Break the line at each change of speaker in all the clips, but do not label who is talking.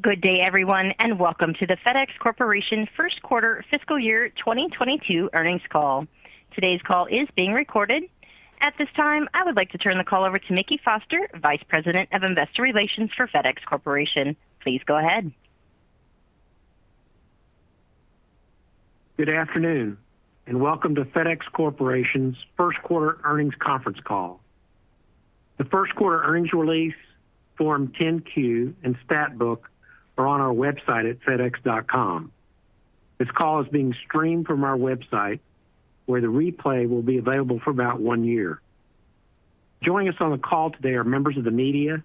Good day everyone, welcome to the FedEx Corporation first quarter fiscal year 2022 earnings call. Today's call is being recorded. At this time, I would like to turn the call over to Mickey Foster, Vice President of Investor Relations for FedEx Corporation. Please go ahead.
Good afternoon, welcome to FedEx Corporation's first quarter earnings conference call. The first quarter earnings release, Form 10-Q, and stat book are on our website at fedex.com. This call is being streamed from our website, where the replay will be available for about one year. Joining us on the call today are members of the media.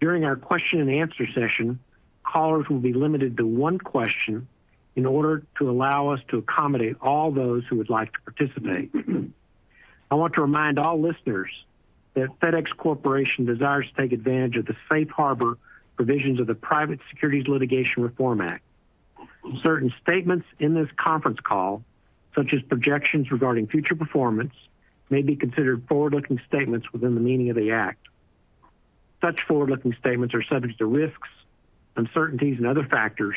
During our question and answer session, callers will be limited to one question in order to allow us to accommodate all those who would like to participate. I want to remind all listeners that FedEx Corporation desires to take advantage of the safe harbor provisions of the Private Securities Litigation Reform Act. Certain statements in this conference call, such as projections regarding future performance, may be considered forward-looking statements within the meaning of the act. Such forward-looking statements are subject to risks, uncertainties, and other factors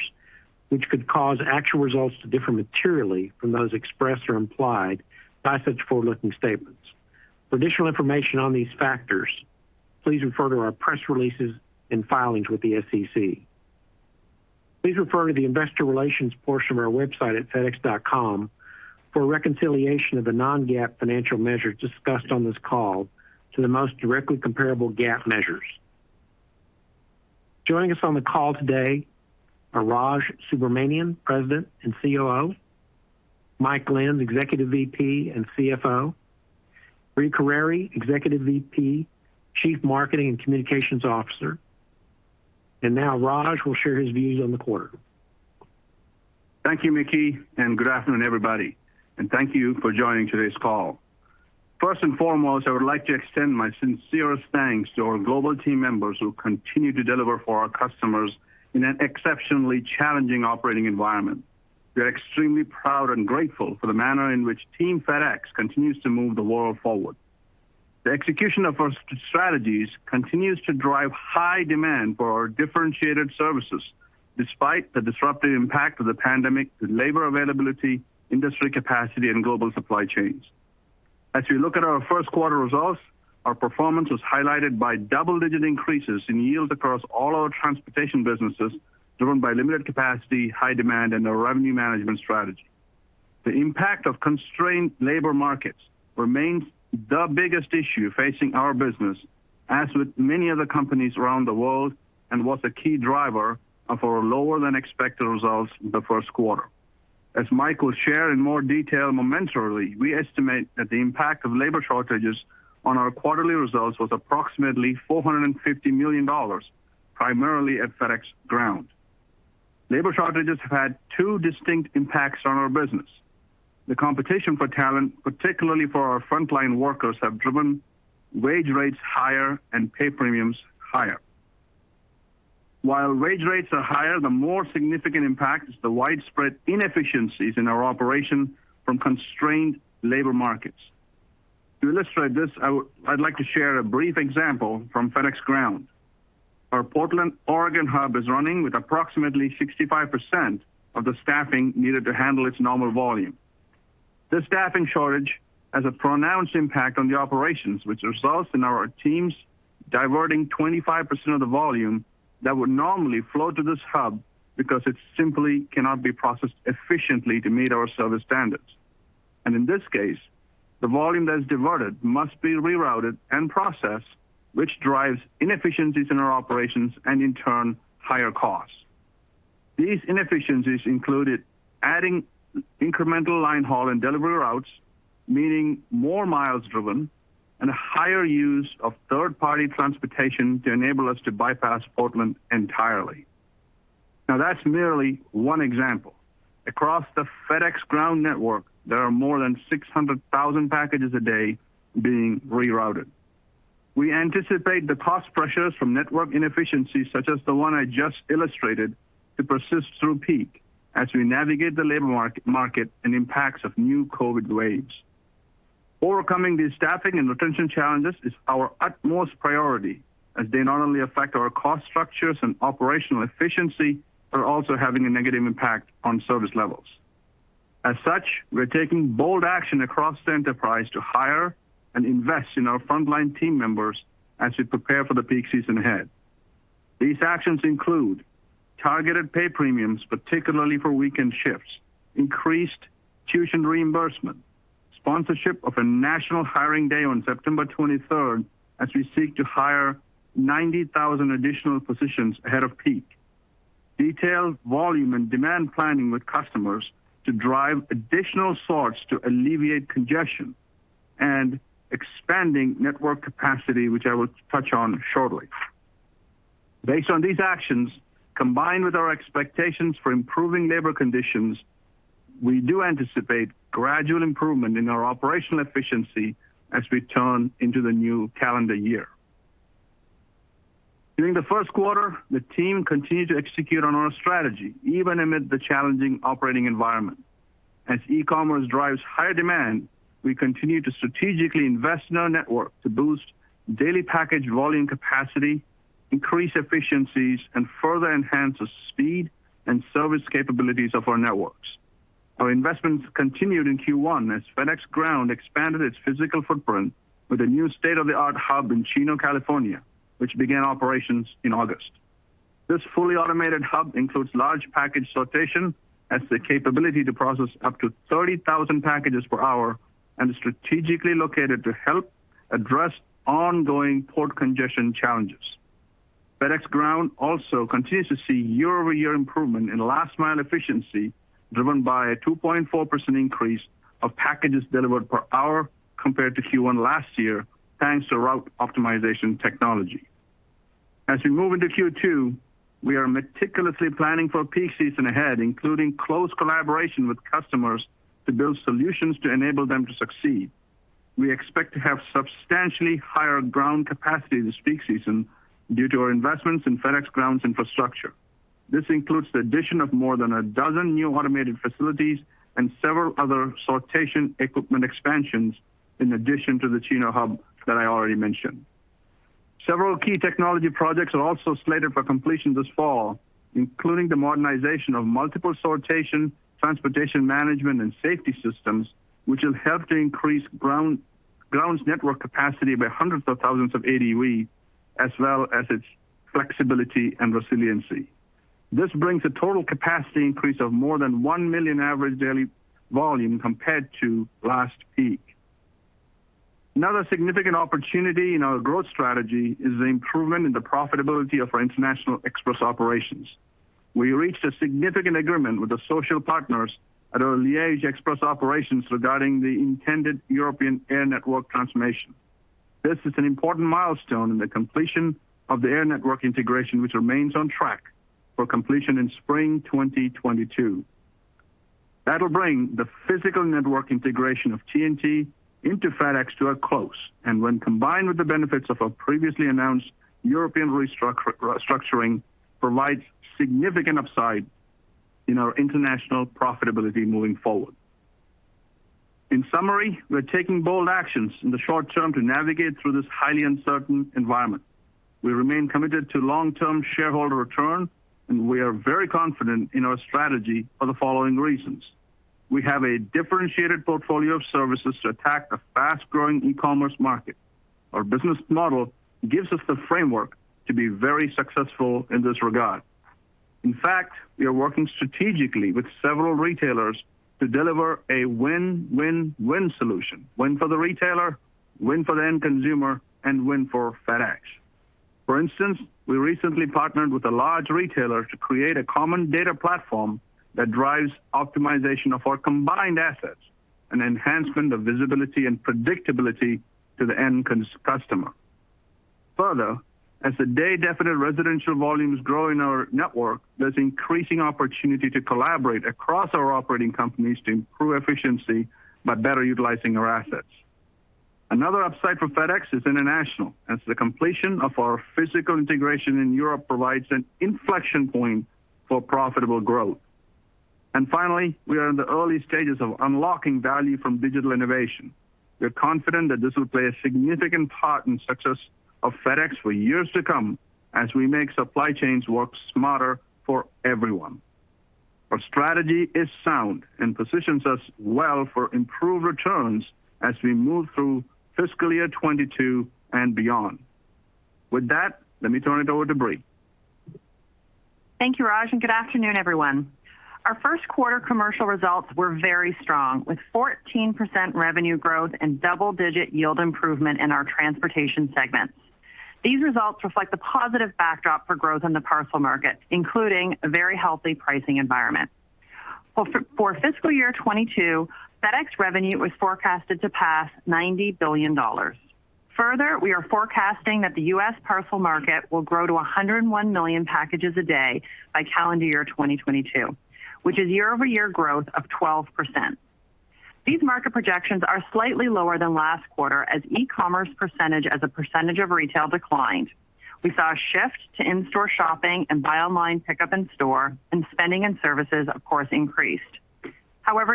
which could cause actual results to differ materially from those expressed or implied by such forward-looking statements. For additional information on these factors, please refer to our press releases and filings with the SEC. Please refer to the investor relations portion of our website at fedex.com for a reconciliation of the non-GAAP financial measures discussed on this call to the most directly comparable GAAP measures. Joining us on the call today are Raj Subramaniam, President and COO, Mike Lenz, Executive VP and CFO, Brie Carere, Executive VP, Chief Marketing and Communications Officer. Now Raj will share his views on the quarter.
Thank you, Mickey, good afternoon, everybody. Thank you for joining today's call. First and foremost, I would like to extend my sincerest thanks to our global team members who continue to deliver for our customers in an exceptionally challenging operating environment. We are extremely proud and grateful for the manner in which team FedEx continues to move the world forward. The execution of our strategies continues to drive high demand for our differentiated services, despite the disruptive impact of the pandemic to labor availability, industry capacity, and global supply chains. As we look at our first quarter results, our performance was highlighted by double-digit increases in yields across all our transportation businesses, driven by limited capacity, high demand, and a revenue management strategy. The impact of constrained labor markets remains the biggest issue facing our business, as with many other companies around the world, and was a key driver of our lower than expected results in the first quarter. As Mike will share in more detail momentarily, we estimate that the impact of labor shortages on our quarterly results was approximately $450 million, primarily at FedEx Ground. Labor shortages have had two distinct impacts on our business. The competition for talent, particularly for our frontline workers, have driven wage rates higher and pay premiums higher. While wage rates are higher, the more significant impact is the widespread inefficiencies in our operation from constrained labor markets. To illustrate this, I'd like to share a brief example from FedEx Ground. Our Portland, Oregon hub is running with approximately 65% of the staffing needed to handle its normal volume. This staffing shortage has a pronounced impact on the operations, which results in our teams diverting 25% of the volume that would normally flow to this hub because it simply cannot be processed efficiently to meet our service standards. In this case, the volume that is diverted must be rerouted and processed, which drives inefficiencies in our operations and, in turn, higher costs. These inefficiencies included adding incremental line haul and delivery routes, meaning more miles driven, and a higher use of third-party transportation to enable us to bypass Portland entirely. That's merely one example. Across the FedEx Ground network, there are more than 600,000 packages a day being rerouted. We anticipate the cost pressures from network inefficiencies, such as the one I just illustrated, to persist through peak as we navigate the labor market and impacts of new COVID waves. Overcoming these staffing and retention challenges is our utmost priority, as they not only affect our cost structures and operational efficiency, but are also having a negative impact on service levels. As such, we're taking bold action across the enterprise to hire and invest in our frontline team members as we prepare for the peak season ahead. These actions include targeted pay premiums, particularly for weekend shifts, increased tuition reimbursement, sponsorship of a national hiring day on September 23rd as we seek to hire 90,000 additional positions ahead of peak, detailed volume and demand planning with customers to drive additional sorts to alleviate congestion, and expanding network capacity, which I will touch on shortly. Based on these actions, combined with our expectations for improving labor conditions, we do anticipate gradual improvement in our operational efficiency as we turn into the new calendar year. During the first quarter, the team continued to execute on our strategy, even amid the challenging operating environment. As e-commerce drives higher demand, we continue to strategically invest in our network to boost daily package volume capacity, increase efficiencies, and further enhance the speed and service capabilities of our networks. Our investments continued in Q1 as FedEx Ground expanded its physical footprint with a new state-of-the-art hub in Chino, California, which began operations in August. This fully automated hub includes large package sortation, has the capability to process up to 30,000 packages per hour, and is strategically located to help address ongoing port congestion challenges. FedEx Ground also continues to see year-over-year improvement in last mile efficiency, driven by a 2.4% increase of packages delivered per hour compared to Q1 last year, thanks to route optimization technology. As we move into Q2, we are meticulously planning for peak season ahead, including close collaboration with customers to build solutions to enable them to succeed. We expect to have substantially higher ground capacity this peak season due to our investments in FedEx Ground infrastructure. This includes the addition of more than 12 new automated facilities and several other sortation equipment expansions, in addition to the Chino hub that I already mentioned. Several key technology projects are also slated for completion this fall, including the modernization of multiple sortation, transportation management, and safety systems, which will help to increase Ground network capacity by hundreds of thousands of ADV, as well as its flexibility and resiliency. This brings a total capacity increase of more than 1 million average daily volume compared to last peak. Another significant opportunity in our growth strategy is the improvement in the profitability of our international express operations. We reached a significant agreement with the social partners at our Liege express operations regarding the intended European Air network transformation. This is an important milestone in the completion of the Air network integration which remains on track for completion in spring 2022. That'll bring the physical network integration of TNT into FedEx to a close, and when combined with the benefits of our previously announced European restructuring, provides significant upside in our international profitability moving forward. In summary, we're taking bold actions in the short term to navigate through this highly uncertain environment. We remain committed to long-term shareholder return. We are very confident in our strategy for the following reasons. We have a differentiated portfolio of services to attack the fast-growing e-commerce market. Our business model gives us the framework to be very successful in this regard. In fact, we are working strategically with several retailers to deliver a win-win-win solution. Win for the retailer, win for the end consumer, and win for FedEx. For instance, we recently partnered with a large retailer to create a common data platform that drives optimization of our combined assets and enhancement of visibility and predictability to the end customer. Further, as the day definite residential volume is growing our network, there's increasing opportunity to collaborate across our operating companies to improve efficiency by better utilizing our assets. Another upside for FedEx is international, as the completion of our physical integration in Europe provides an inflection point for profitable growth. Finally, we are in the early stages of unlocking value from digital innovation. We are confident that this will play a significant part in success of FedEx for years to come, as we make supply chains work smarter for everyone. Our strategy is sound and positions us well for improved returns as we move through fiscal year 2022 and beyond. With that, let me turn it over to Brie.
Thank you, Raj, and good afternoon, everyone. Our first quarter commercial results were very strong, with 14% revenue growth and double-digit yield improvement in our transportation segments. These results reflect the positive backdrop for growth in the parcel market, including a very healthy pricing environment. For fiscal year 2022, FedEx revenue was forecasted to pass $90 billion. We are forecasting that the U.S. parcel market will grow to 101 million packages a day by calendar year 2022, which is year-over-year growth of 12%. These market projections are slightly lower than last quarter as e-commerce percentage as a percentage of retail declined. We saw a shift to in-store shopping and buy online pickup in store, and spending and services, of course, increased.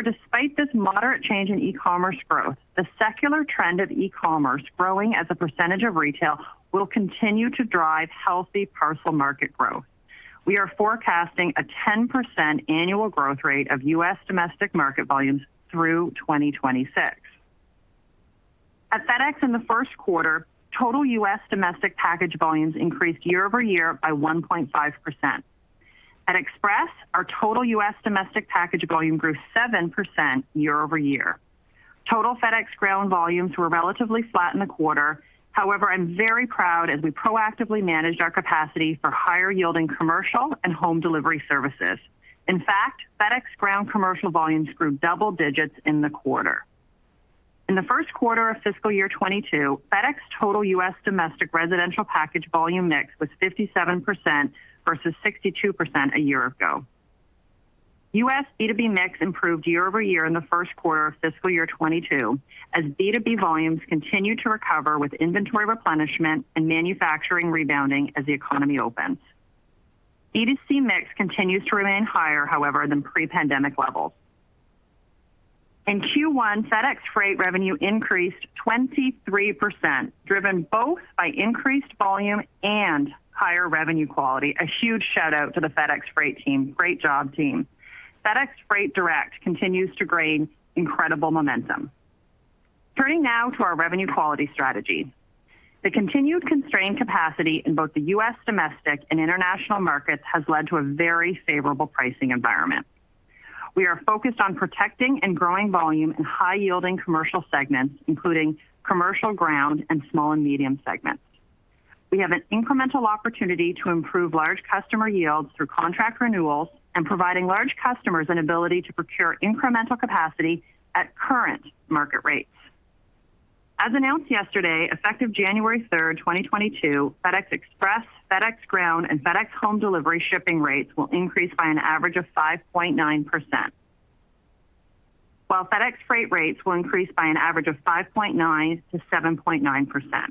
Despite this moderate change in e-commerce growth, the secular trend of e-commerce growing as a percentage of retail will continue to drive healthy parcel market growth. We are forecasting a 10% annual growth rate of U.S. domestic market volumes through 2026. At FedEx in the first quarter, total U.S. domestic package volumes increased year-over-year by 1.5%. At Express, our total U.S. domestic package volume grew 7% year-over-year. Total FedEx Ground volumes were relatively flat in the quarter. I'm very proud as we proactively managed our capacity for higher yielding commercial and Home Delivery services. In fact, FedEx Ground commercial volumes grew double digits in the quarter. In the first quarter of fiscal year 2022, FedEx total U.S. domestic residential package volume mix was 57% versus 62% a year ago. U.S. B2B mix improved year-over-year in the first quarter of fiscal year 2022, as B2B volumes continue to recover with inventory replenishment and manufacturing rebounding as the economy opens. B2C mix continues to remain higher, however, than pre-pandemic levels. In Q1, FedEx Freight revenue increased 23%, driven both by increased volume and higher revenue quality. A huge shout-out to the FedEx Freight team. Great job, team. FedEx Freight Direct continues to gain incredible momentum. Turning now to our revenue quality strategy. The continued constrained capacity in both the U.S. domestic and international markets has led to a very favorable pricing environment. We are focused on protecting and growing volume in high-yielding commercial segments, including Commercial Ground and small and medium segments. We have an incremental opportunity to improve large customer yields through contract renewals and providing large customers an ability to procure incremental capacity at current market rates. As announced yesterday, effective January 3rd, 2022, FedEx Express, FedEx Ground, and FedEx Home Delivery shipping rates will increase by an average of 5.9%, while FedEx Freight rates will increase by an average of 5.9%-7.9%.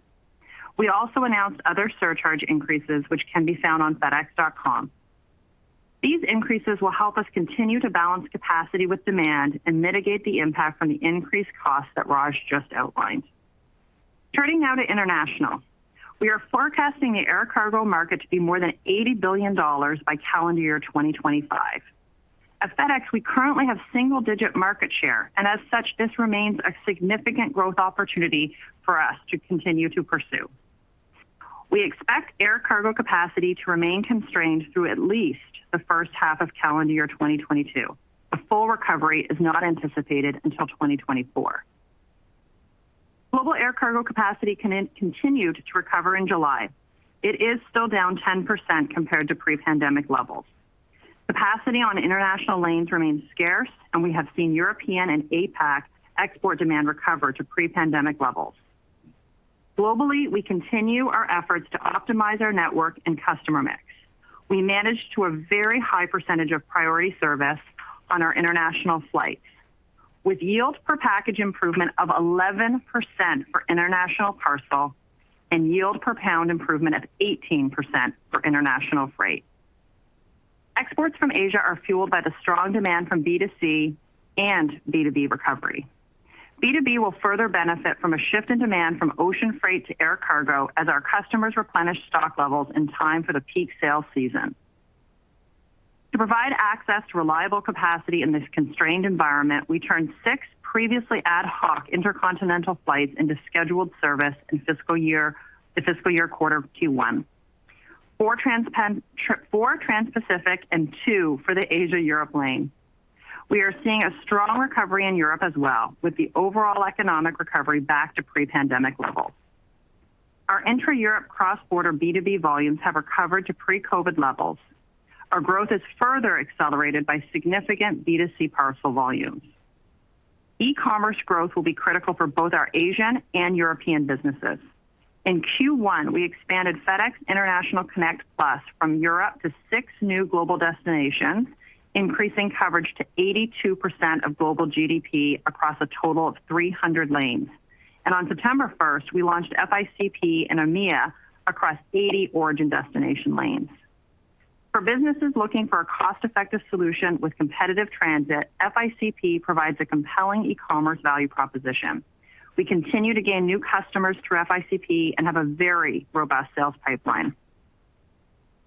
We also announced other surcharge increases, which can be found on fedex.com. These increases will help us continue to balance capacity with demand and mitigate the impact from the increased costs that Raj just outlined. Turning now to international. We are forecasting the air cargo market to be more than $80 billion by calendar year 2025. At FedEx, we currently have single-digit market share, and as such, this remains a significant growth opportunity for us to continue to pursue. We expect air cargo capacity to remain constrained through at least the first half of calendar year 2022. A full recovery is not anticipated until 2024. Global air cargo capacity continued to recover in July. It is still down 10% compared to pre-pandemic levels. Capacity on international lanes remains scarce, and we have seen European and APAC export demand recover to pre-pandemic levels. Globally, we continue our efforts to optimize our network and customer mix. We managed to a very high percentage of priority service on our international flights, with yield per package improvement of 11% for international parcel and yield per pound improvement of 18% for international freight. Exports from Asia are fueled by the strong demand from B2C and B2B recovery. B2B will further benefit from a shift in demand from ocean freight to air cargo as our customers replenish stock levels in time for the peak sales season. To provide access to reliable capacity in this constrained environment, we turned 6 previously ad hoc intercontinental flights into scheduled service in the fiscal year quarter Q1, 4 transpacific and 2 for the Asia-Europe lane. We are seeing a strong recovery in Europe as well, with the overall economic recovery back to pre-pandemic levels. Our intra-Europe cross-border B2B volumes have recovered to pre-COVID levels. Our growth is further accelerated by significant B2C parcel volumes. E-commerce growth will be critical for both our Asian and European businesses. In Q1, we expanded FedEx International Connect Plus from Europe to 6 new global destinations, increasing coverage to 82% of global GDP across a total of 300 lanes. On September 1st, we launched FICP in EMEA across 80 origin destination lanes. For businesses looking for a cost-effective solution with competitive transit, FICP provides a compelling e-commerce value proposition. We continue to gain new customers through FICP and have a very robust sales pipeline.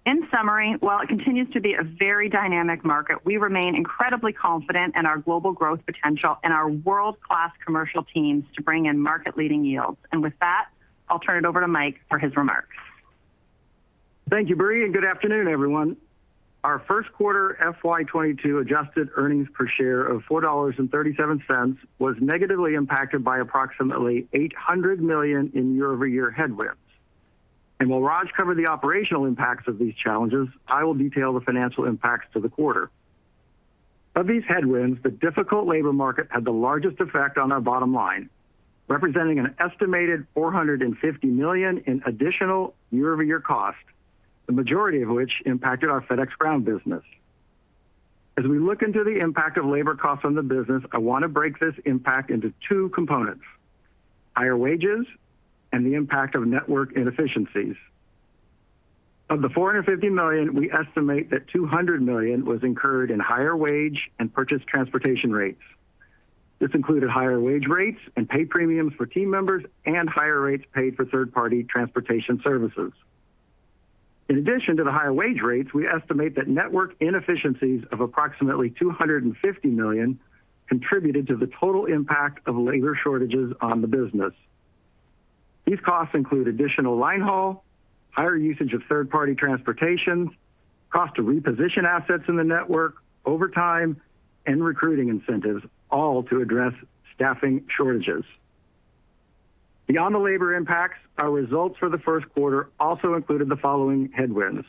In summary, while it continues to be a very dynamic market, we remain incredibly confident in our global growth potential and our world-class commercial teams to bring in market-leading yields. With that, I'll turn it over to Mike for his remarks.
Thank you, Brie, good afternoon, everyone. Our first quarter FY 2022 adjusted earnings per share of $4.37 was negatively impacted by approximately $800 million in year-over-year headwinds. While Raj covered the operational impacts of these challenges, I will detail the financial impacts to the quarter. Of these headwinds, the difficult labor market had the largest effect on our bottom line, representing an estimated $450 million in additional year-over-year cost, the majority of which impacted our FedEx Ground business. As we look into the impact of labor costs on the business, I want to break this impact into 2 components: higher wages and the impact of network inefficiencies. Of the $450 million, we estimate that $200 million was incurred in higher wage and purchase transportation rates. This included higher wage rates and pay premiums for team members and higher rates paid for third-party transportation services. In addition to the higher wage rates, we estimate that network inefficiencies of approximately $250 million contributed to the total impact of labor shortages on the business. These costs include additional line haul, higher usage of third-party transportations, cost to reposition assets in the network, overtime, and recruiting incentives, all to address staffing shortages. Beyond the labor impacts, our results for the first quarter also included the following headwinds: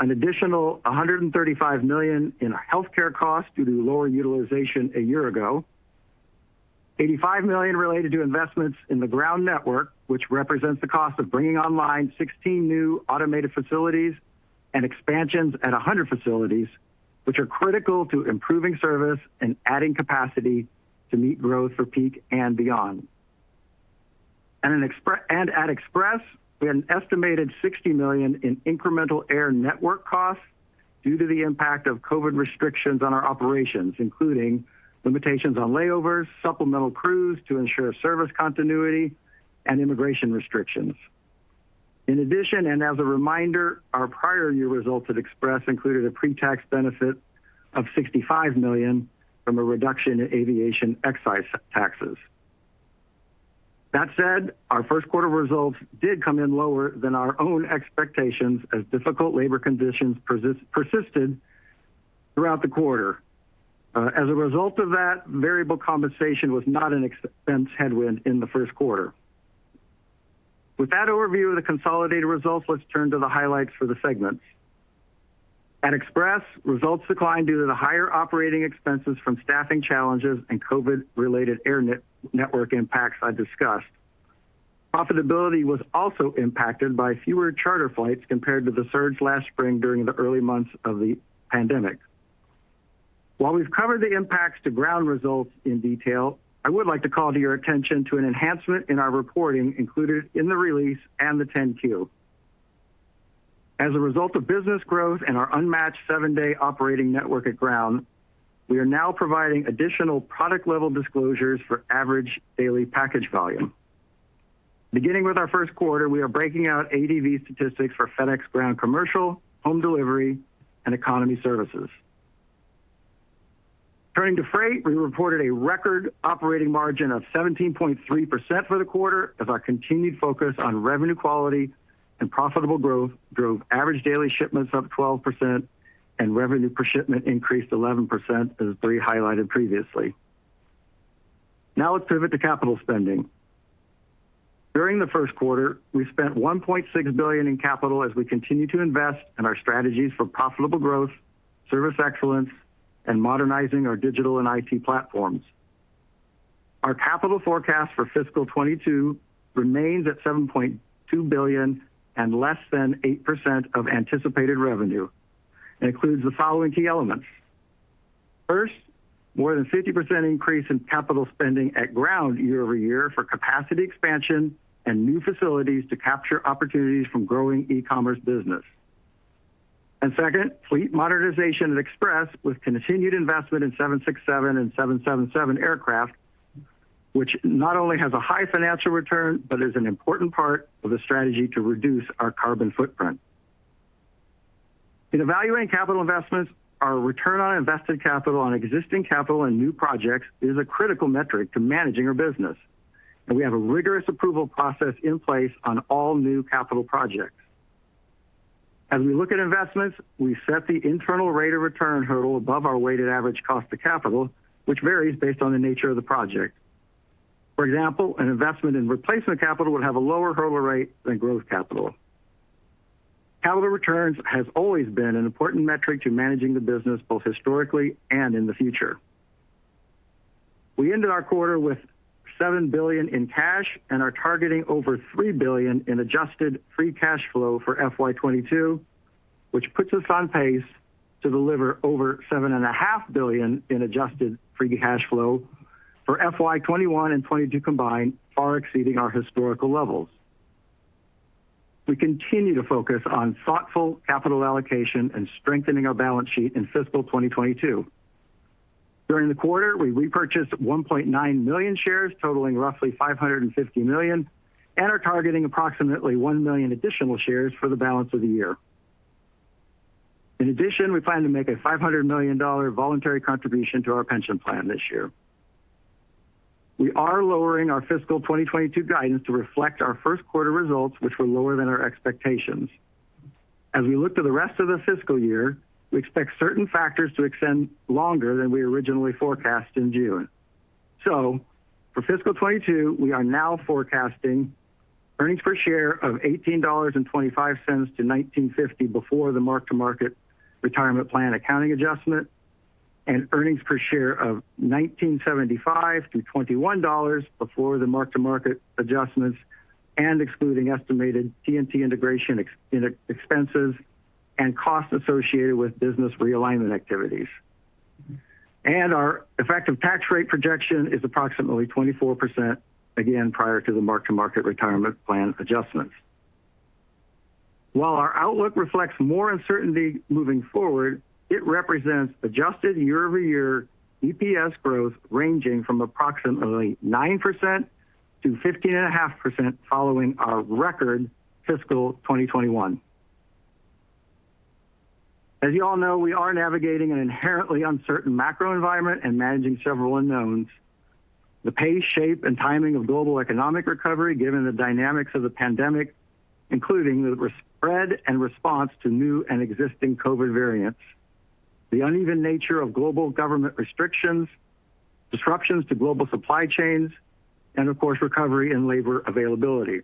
an additional $135 million in healthcare costs due to lower utilization a year ago, $85 million related to investments in the Ground network, which represents the cost of bringing online 16 new automated facilities and expansions at 100 facilities, which are critical to improving service and adding capacity to meet growth for peak and beyond. At Express, we had an estimated $60 million in incremental air network costs due to the impact of COVID restrictions on our operations, including limitations on layovers, supplemental crews to ensure service continuity, and immigration restrictions. In addition, as a reminder, our prior year results at Express included a pre-tax benefit of $65 million from a reduction in aviation excise taxes. That said, our first quarter results did come in lower than our own expectations as difficult labor conditions persisted throughout the quarter. As a result of that, variable compensation was not an expense headwind in the first quarter. With that overview of the consolidated results, let's turn to the highlights for the segments. At Express, results declined due to the higher operating expenses from staffing challenges and COVID-related air network impacts I discussed. Profitability was also impacted by fewer charter flights compared to the surge last spring during the early months of the pandemic. While we've covered the impacts to Ground results in detail, I would like to call to your attention to an enhancement in our reporting included in the release and the 10-Q. As a result of business growth and our unmatched seven-day operating network at Ground, we are now providing additional product-level disclosures for average daily package volume. Beginning with our first quarter, we are breaking out ADV statistics for FedEx Ground Commercial, Home Delivery, and Economy Services. Turning to Freight, we reported a record operating margin of 17.3% for the quarter as our continued focus on revenue quality and profitable growth drove average daily shipments up 12% and revenue per shipment increased 11%, as Brie highlighted previously. Now let's pivot to capital spending. During the first quarter, we spent $1.6 billion in capital as we continue to invest in our strategies for profitable growth, service excellence, and modernizing our digital and IT platforms. Our capital forecast for fiscal 2022 remains at $7.2 billion and less than 8% of anticipated revenue. It includes the following key elements. First, more than 50% increase in capital spending at Ground year-over-year for capacity expansion and new facilities to capture opportunities from growing e-commerce business. Second, fleet modernization at Express with continued investment in 767 and 777 aircraft, which not only has a high financial return, but is an important part of the strategy to reduce our carbon footprint. In evaluating capital investments, our return on invested capital on existing capital and new projects is a critical metric to managing our business. We have a rigorous approval process in place on all new capital projects. As we look at investments, we set the internal rate of return hurdle above our weighted average cost of capital, which varies based on the nature of the project. For example, an investment in replacement capital would have a lower hurdle rate than growth capital. Capital returns has always been an important metric to managing the business, both historically and in the future. We ended our quarter with $7 billion in cash and are targeting over $3 billion in adjusted free cash flow for FY 2022, which puts us on pace to deliver over $7.5 billion in adjusted free cash flow for FY 2021 and 2022 combined, far exceeding our historical levels. We continue to focus on thoughtful capital allocation and strengthening our balance sheet in fiscal 2022. During the quarter, we repurchased 1.9 million shares, totaling roughly $550 million, and are targeting approximately one million additional shares for the balance of the year. In addition, we plan to make a $500 million voluntary contribution to our pension plan this year. We are lowering our fiscal 2022 guidance to reflect our first quarter results, which were lower than our expectations. As we look to the rest of the fiscal year, we expect certain factors to extend longer than we originally forecast in June. For fiscal 2022, we are now forecasting earnings per share of $18.25-$19.50 before the mark-to-market retirement plan accounting adjustment, and earnings per share of $19.75-$21 before the mark-to-market adjustments, and excluding estimated TNT integration expenses and costs associated with business realignment activities. Our effective tax rate projection is approximately 24%, again, prior to the mark-to-market retirement plan adjustments. While our outlook reflects more uncertainty moving forward, it represents adjusted year-over-year EPS growth ranging from approximately 9%-15.5% following our record fiscal 2021. As you all know, we are navigating an inherently uncertain macro environment and managing several unknowns. The pace, shape, and timing of global economic recovery, given the dynamics of the pandemic, including the spread and response to new and existing COVID variants, the uneven nature of global government restrictions, disruptions to global supply chains, and of course, recovery in labor availability.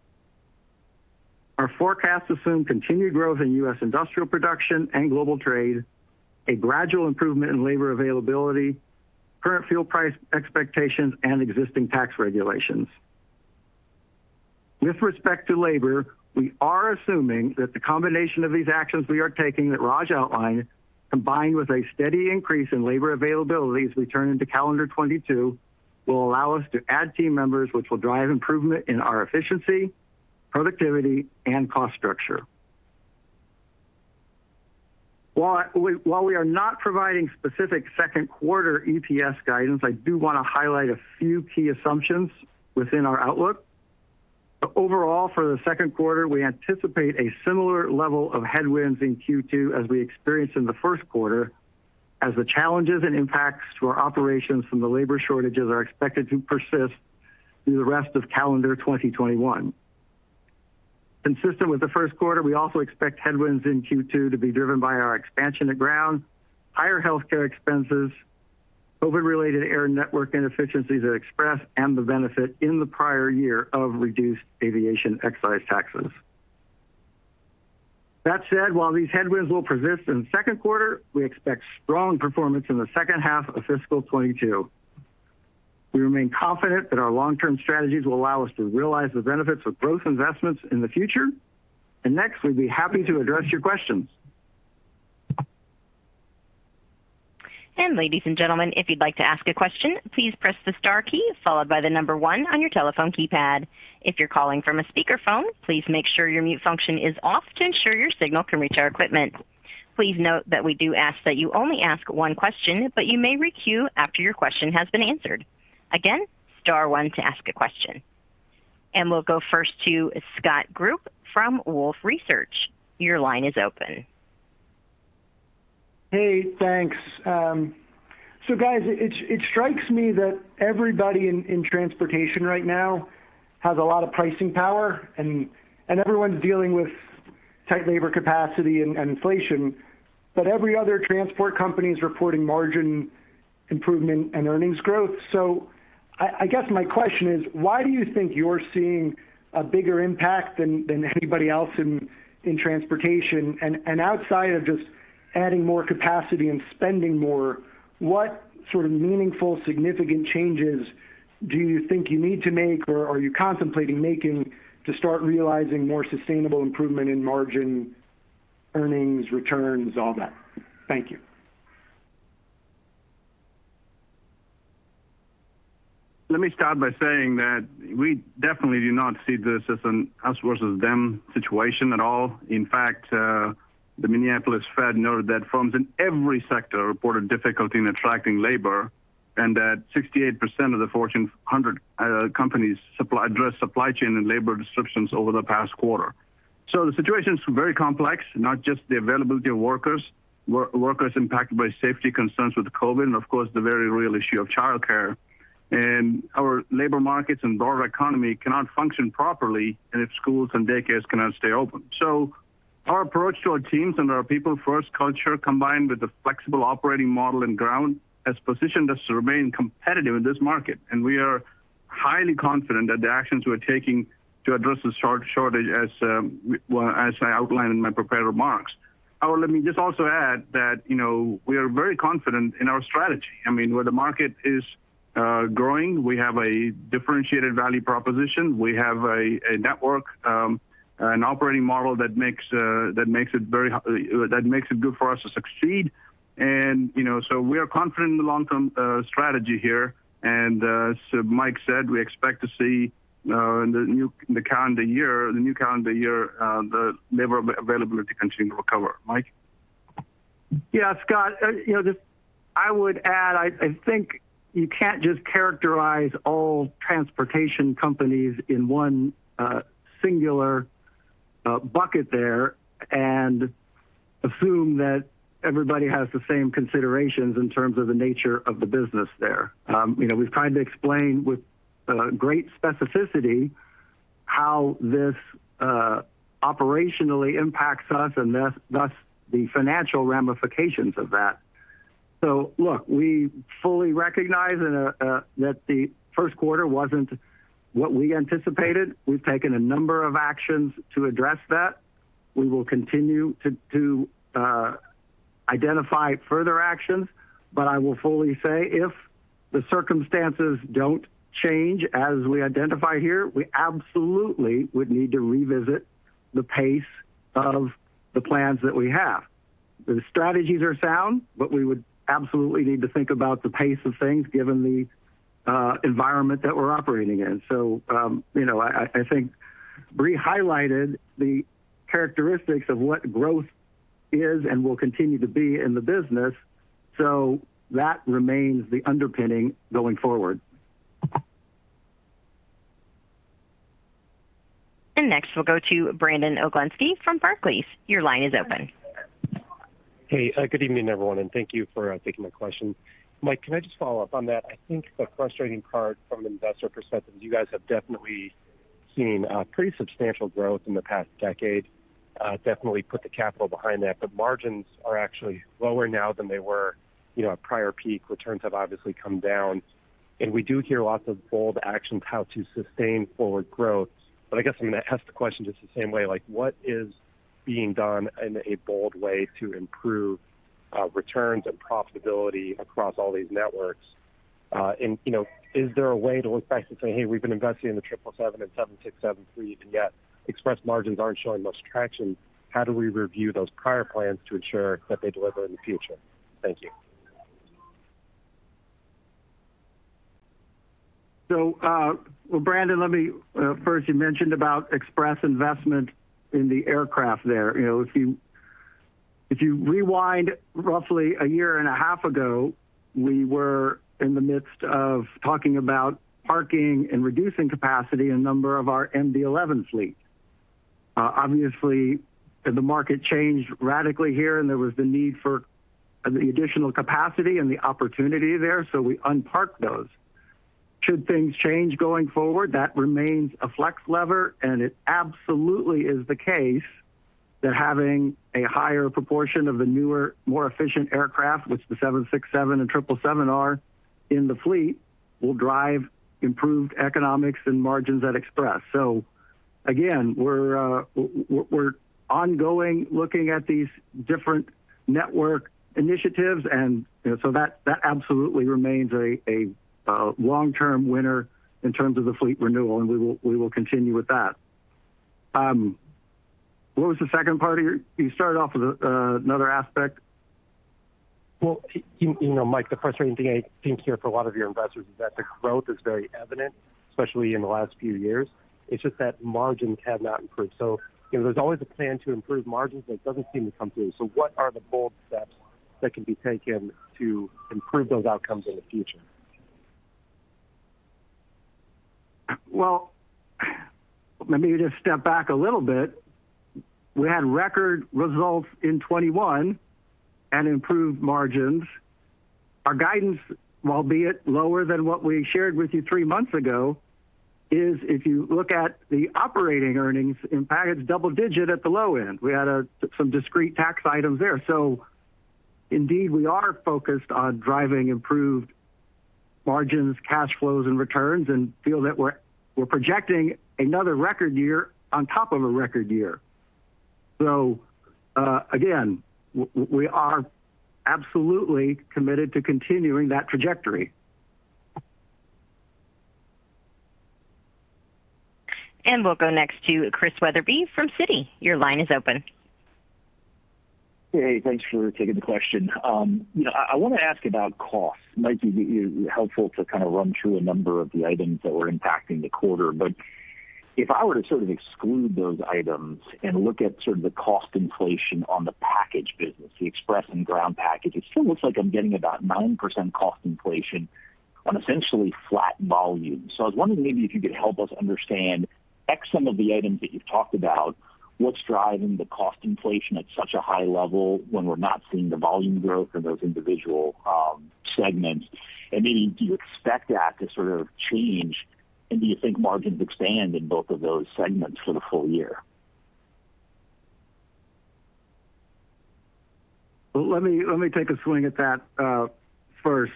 Our forecasts assume continued growth in U.S. industrial production and global trade, a gradual improvement in labor availability, current fuel price expectations, and existing tax regulations. With respect to labor, we are assuming that the combination of these actions we are taking that Raj outlined combined with a steady increase in labor availability as we turn into calendar 2022, will allow us to add team members, which will drive improvement in our efficiency, productivity, and cost structure. While we are not providing specific second quarter EPS guidance, I do want to highlight a few key assumptions within our outlook. Overall, for the second quarter, we anticipate a similar level of headwinds in Q2 as we experienced in the first quarter, as the challenges and impacts to our operations from the labor shortages are expected to persist through the rest of calendar 2021. Consistent with the first quarter, we also expect headwinds in Q2 to be driven by our expansion to Ground, higher healthcare expenses, COVID-related air network inefficiencies at Express, and the benefit in the prior year of reduced aviation excise taxes. That said, while these headwinds will persist in the second quarter, we expect strong performance in the second half of fiscal 2022. We remain confident that our long-term strategies will allow us to realize the benefits of growth investments in the future. Next, we'd be happy to address your questions.
ladies and gentlemen, if you'd like to ask a question, please press the star key followed by the number 1 on your telephone keypad. If you're calling from a speakerphone, please make sure your mute function is off to ensure your signal can reach our equipment. Please note that we do ask that you only ask one question, but you may re-queue after your question has been answered. Again, star 1 to ask a question. We'll go first to Scott Group from Wolfe Research. Your line is open.
Hey, thanks. Guys, it strikes me that everybody in transportation right now has a lot of pricing power, and everyone's dealing with tight labor capacity and inflation. Every other transport company is reporting margin improvement and earnings growth. I guess my question is, why do you think you're seeing a bigger impact than anybody else in transportation? Outside of just adding more capacity and spending more, what sort of meaningful, significant changes do you think you need to make, or are you contemplating making to start realizing more sustainable improvement in margin earnings, returns, all that? Thank you.
Let me start by saying that we definitely do not see this as an us versus them situation at all. In fact, the Minneapolis Fed noted that firms in every sector reported difficulty in attracting labor, and that 68% of the Fortune 100 companies addressed supply chain and labor disruptions over the past quarter. The situation is very complex, not just the availability of workers impacted by safety concerns with COVID, and of course, the very real issue of childcare. Our labor markets and broader economy cannot function properly, and if schools and daycares cannot stay open. Our approach to our teams and our people-first culture, combined with the flexible operating model in Ground, has positioned us to remain competitive in this market. We are highly confident that the actions we're taking to address the shortage as well, as I outlined in my prepared remarks. Let me just also add that we are very confident in our strategy. Where the market is growing, we have a differentiated value proposition. We have a network, an operating model that makes it good for us to succeed. We are confident in the long-term strategy here. As Mike said, we expect to see in the new calendar year, the labor availability continue to recover. Mike?
Yeah, Scott. I would add, I think you can't just characterize all transportation companies in one singular bucket there and assume that everybody has the same considerations in terms of the nature of the business there. We've tried to explain with great specificity how this operationally impacts us and thus the financial ramifications of that. Look, we fully recognize that the first quarter wasn't what we anticipated. We've taken a number of actions to address that. We will continue to identify further actions. I will fully say, if the circumstances don't change as we identify here, we absolutely would need to revisit the pace of the plans that we have. The strategies are sound, we would absolutely need to think about the pace of things given the environment that we're operating in. I think Brie highlighted the characteristics of what growth is and will continue to be in the business. That remains the underpinning going forward.
Next, we'll go to Brandon Oglenski from Barclays. Your line is open.
Hey, good evening, everyone, and thank you for taking my question. Mike, can I just follow up on that? I think the frustrating part from an investor perspective is you guys have definitely seen pretty substantial growth in the past decade. Definitely put the capital behind that. Margins are actually lower now than they were at prior peak. Returns have obviously come down. We do hear lots of bold actions how to sustain forward growth. I guess I'm going to ask the question just the same way. What is being done in a bold way to improve returns and profitability across all these networks? Is there a way to look back and say, "Hey, we've been investing in the 777 and 767 fleet, and yet Express margins aren't showing much traction. How do we review those prior plans to ensure that they deliver in the future?" Thank you.
Brandon, first you mentioned about Express investment in the aircraft there. If you rewind roughly a year and a half ago, we were in the midst of talking about parking and reducing capacity in a number of our MD-11 fleet. Obviously, the market changed radically here, and there was the need for the additional capacity and the opportunity there, so we unparked those. Should things change going forward, that remains a flex lever, and it absolutely is the case that having a higher proportion of the newer, more efficient aircraft, which the 767 and 777 are, in the fleet will drive improved economics and margins at Express. Again, we're ongoing looking at these different network initiatives and that absolutely remains a long-term winner in terms of the fleet renewal, and we will continue with that. What was the second part here? You started off with another aspect.
Well, Mike, the frustrating thing I think here for a lot of your investors is that the growth is very evident, especially in the last few years. It's just that margins have not improved. There's always a plan to improve margins that doesn't seem to come through. What are the bold steps that can be taken to improve those outcomes in the future?
Well, let me just step back a little bit. We had record results in 2021 and improved margins. Our guidance, albeit lower than what we shared with you three months ago, is if you look at the operating earnings impact, it's double digit at the low end. We had some discrete tax items there. Indeed, we are focused on driving improved margins, cash flows, and returns, and feel that we're projecting another record year on top of a record year. Again, we are absolutely committed to continuing that trajectory.
We'll go next to Chris Wetherbee from Citi. Your line is open.
Hey, thanks for taking the question. I want to ask about costs. It might be helpful to run through a number of the items that were impacting the quarter. If I were to sort of exclude those items and look at sort of the cost inflation on the package business, the Express and Ground package, it still looks like I'm getting about 9% cost inflation on essentially flat volume. I was wondering maybe if you could help us understand, X some of the items that you've talked about, what's driving the cost inflation at such a high level when we're not seeing the volume growth in those individual segments? Maybe do you expect that to sort of change, and do you think margins expand in both of those segments for the full year?
Let me take a swing at that first.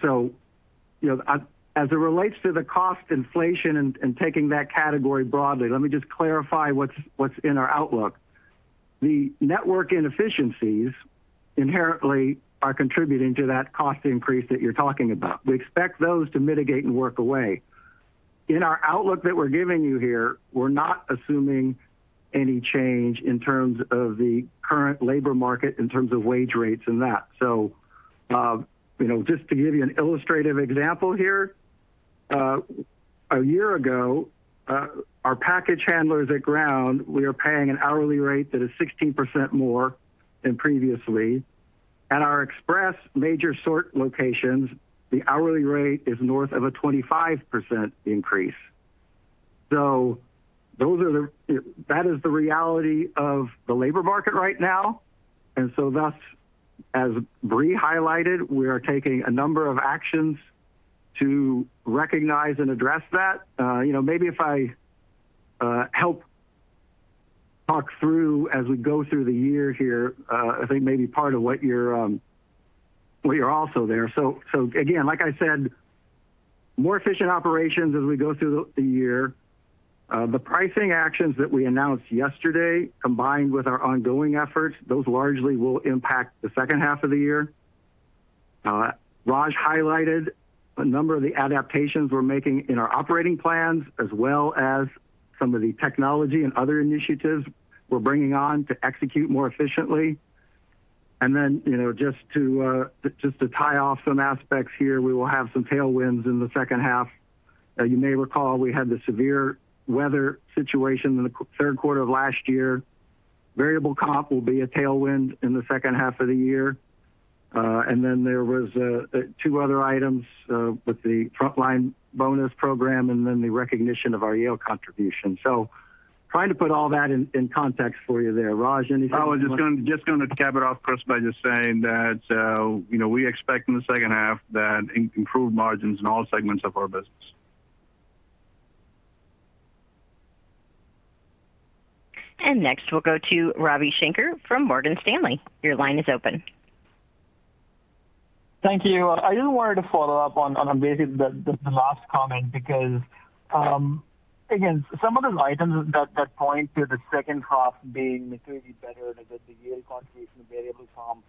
As it relates to the cost inflation and taking that category broadly, let me just clarify what's in our outlook. The network inefficiencies inherently are contributing to that cost increase that you're talking about. We expect those to mitigate and work away. In our outlook that we're giving you here, we're not assuming any change in terms of the current labor market, in terms of wage rates and that. Just to give you an illustrative example here, a year ago, our package handlers at Ground, we are paying an hourly rate that is 16% more than previously. At our Express major sort locations, the hourly rate is north of a 25% increase. That is the reality of the labor market right now. Thus, as Brie highlighted, we are taking a number of actions to recognize and address that. Maybe if I help talk through as we go through the year here, I think maybe part of what you're also there. Again, like I said, more efficient operations as we go through the year. The pricing actions that we announced yesterday, combined with our ongoing efforts, those largely will impact the second half of the year. Raj highlighted a number of the adaptations we're making in our operating plans, as well as some of the technology and other initiatives we're bringing on to execute more efficiently. Just to tie off some aspects here, we will have some tailwinds in the second half. You may recall we had the severe weather situation in the third quarter of last year. Variable comp will be a tailwind in the second half of the year. There was two other items with the frontline bonus program, then the recognition of our YoY contribution. Trying to put all that in context for you there. Raj, anything you want to-
I was just going to cap it off, Chris, by just saying that we expect in the second half that improved margins in all segments of our business.
Next, we'll go to Ravi Shanker from Morgan Stanley. Your line is open.
Thank you. I just wanted to follow up on basically the last comment because- Some of the items that point to the second half being materially better than the year contribution variable comp,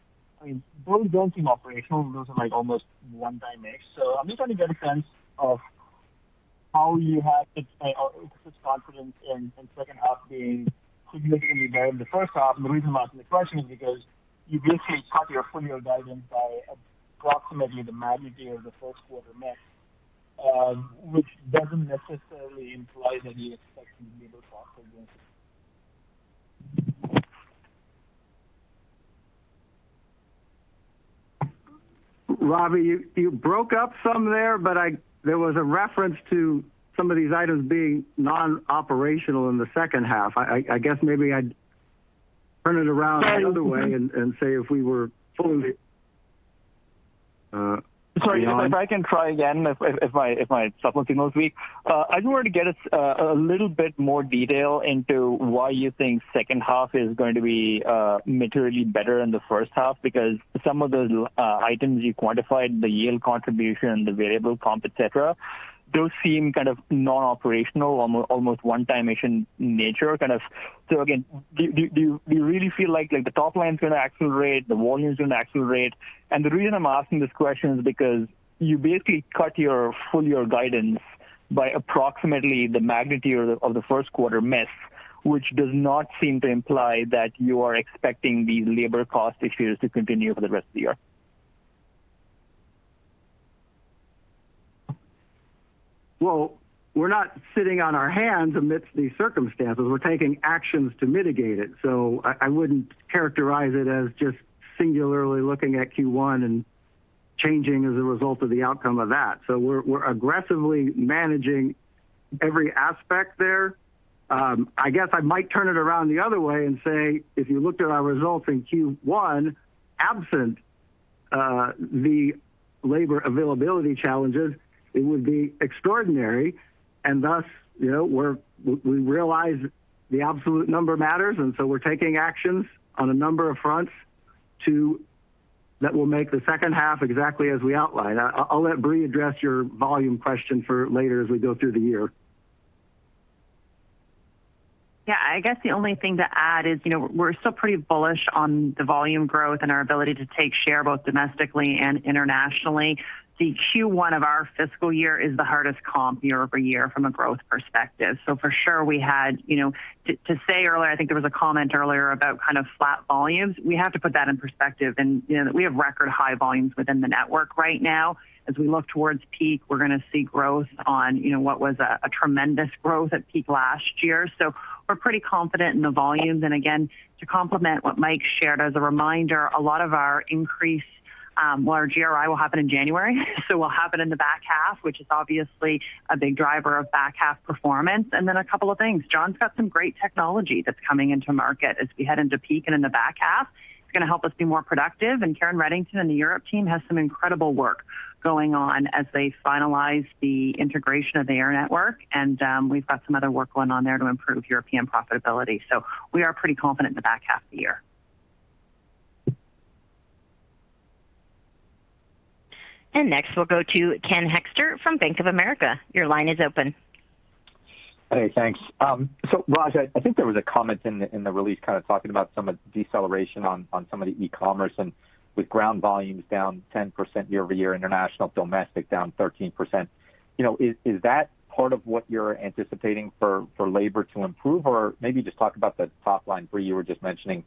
those don't seem operational. Those are almost one-time mix. I'm just trying to get a sense of how you have such confidence in second half being significantly better than the first half. The reason why I'm asking the question is because you basically cut your full year guidance by approximately the magnitude of the first quarter miss, which doesn't necessarily imply that you expect some labor costs again.
Ravi, you broke up some there. There was a reference to some of these items being non-operational in the second half. I guess maybe I'd turn it around the other way and say if we were
Sorry. If I can try again, if my signal's weak. I just wanted to get a little bit more detail into why you think second half is going to be materially better than the first half, some of those items you quantified, the yield contribution, the variable comp, et cetera, those seem non-operational, almost one-time issue in nature. Again, do you really feel like the top line's going to accelerate, the volume's going to accelerate? The reason I'm asking this question is because you basically cut your full year guidance by approximately the magnitude of the first quarter miss, which does not seem to imply that you are expecting these labor cost issues to continue for the rest of the year.
Well, we're not sitting on our hands amidst these circumstances. We're taking actions to mitigate it. I wouldn't characterize it as just singularly looking at Q1 and changing as a result of the outcome of that. We're aggressively managing every aspect there. I guess I might turn it around the other way and say, if you looked at our results in Q1, absent the labor availability challenges, it would be extraordinary. Thus, we realize the absolute number matters. We're taking actions on a number of fronts that will make the second half exactly as we outlined. I'll let Brie address your volume question for later as we go through the year.
Yeah, I guess the only thing to add is we're still pretty bullish on the volume growth and our ability to take share both domestically and internationally. The Q1 of our fiscal year is the hardest comp year-over-year from a growth perspective. For sure, to say earlier, I think there was a comment earlier about flat volumes. We have to put that in perspective, and we have record high volumes within the network right now. As we look towards peak, we're going to see growth on what was a tremendous growth at peak last year. We're pretty confident in the volumes. Again, to complement what Mike shared, as a reminder, a lot of our increase, well, our GRI will happen in January. Will happen in the back half, which is obviously a big driver of back half performance. A couple of things. John's got some great technology that's coming into market as we head into peak and in the back half. It's going to help us be more productive. Karen Reddington and the Europe team has some incredible work going on as they finalize the integration of their network. We've got some other work going on there to improve European profitability. We are pretty confident in the back half of the year.
Next, we'll go to Kenneth Hoexter from Bank of America. Your line is open.
Hey, thanks. Raj, I think there was a comment in the release kind of talking about some of the deceleration on some of the e-commerce and with ground volumes down 10% year-over-year, international domestic down 13%. Is that part of what you're anticipating for labor to improve? Or maybe just talk about the top line, Brie, you were just mentioning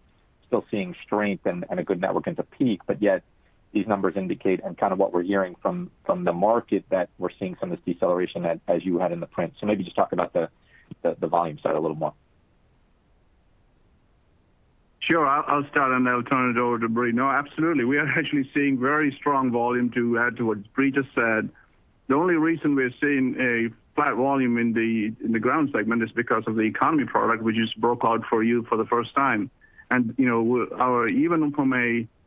still seeing strength and a good network into peak, but yet these numbers indicate and kind of what we're hearing from the market that we're seeing some of this deceleration as you had in the print. Maybe just talk about the volume side a little more.
Sure. I'll start and then I'll turn it over to Brie. No, absolutely. We are actually seeing very strong volume, to add to what Brie just said. The only reason we are seeing a flat volume in the Ground segment is because of the Economy product, which is broke out for you for the first time. Even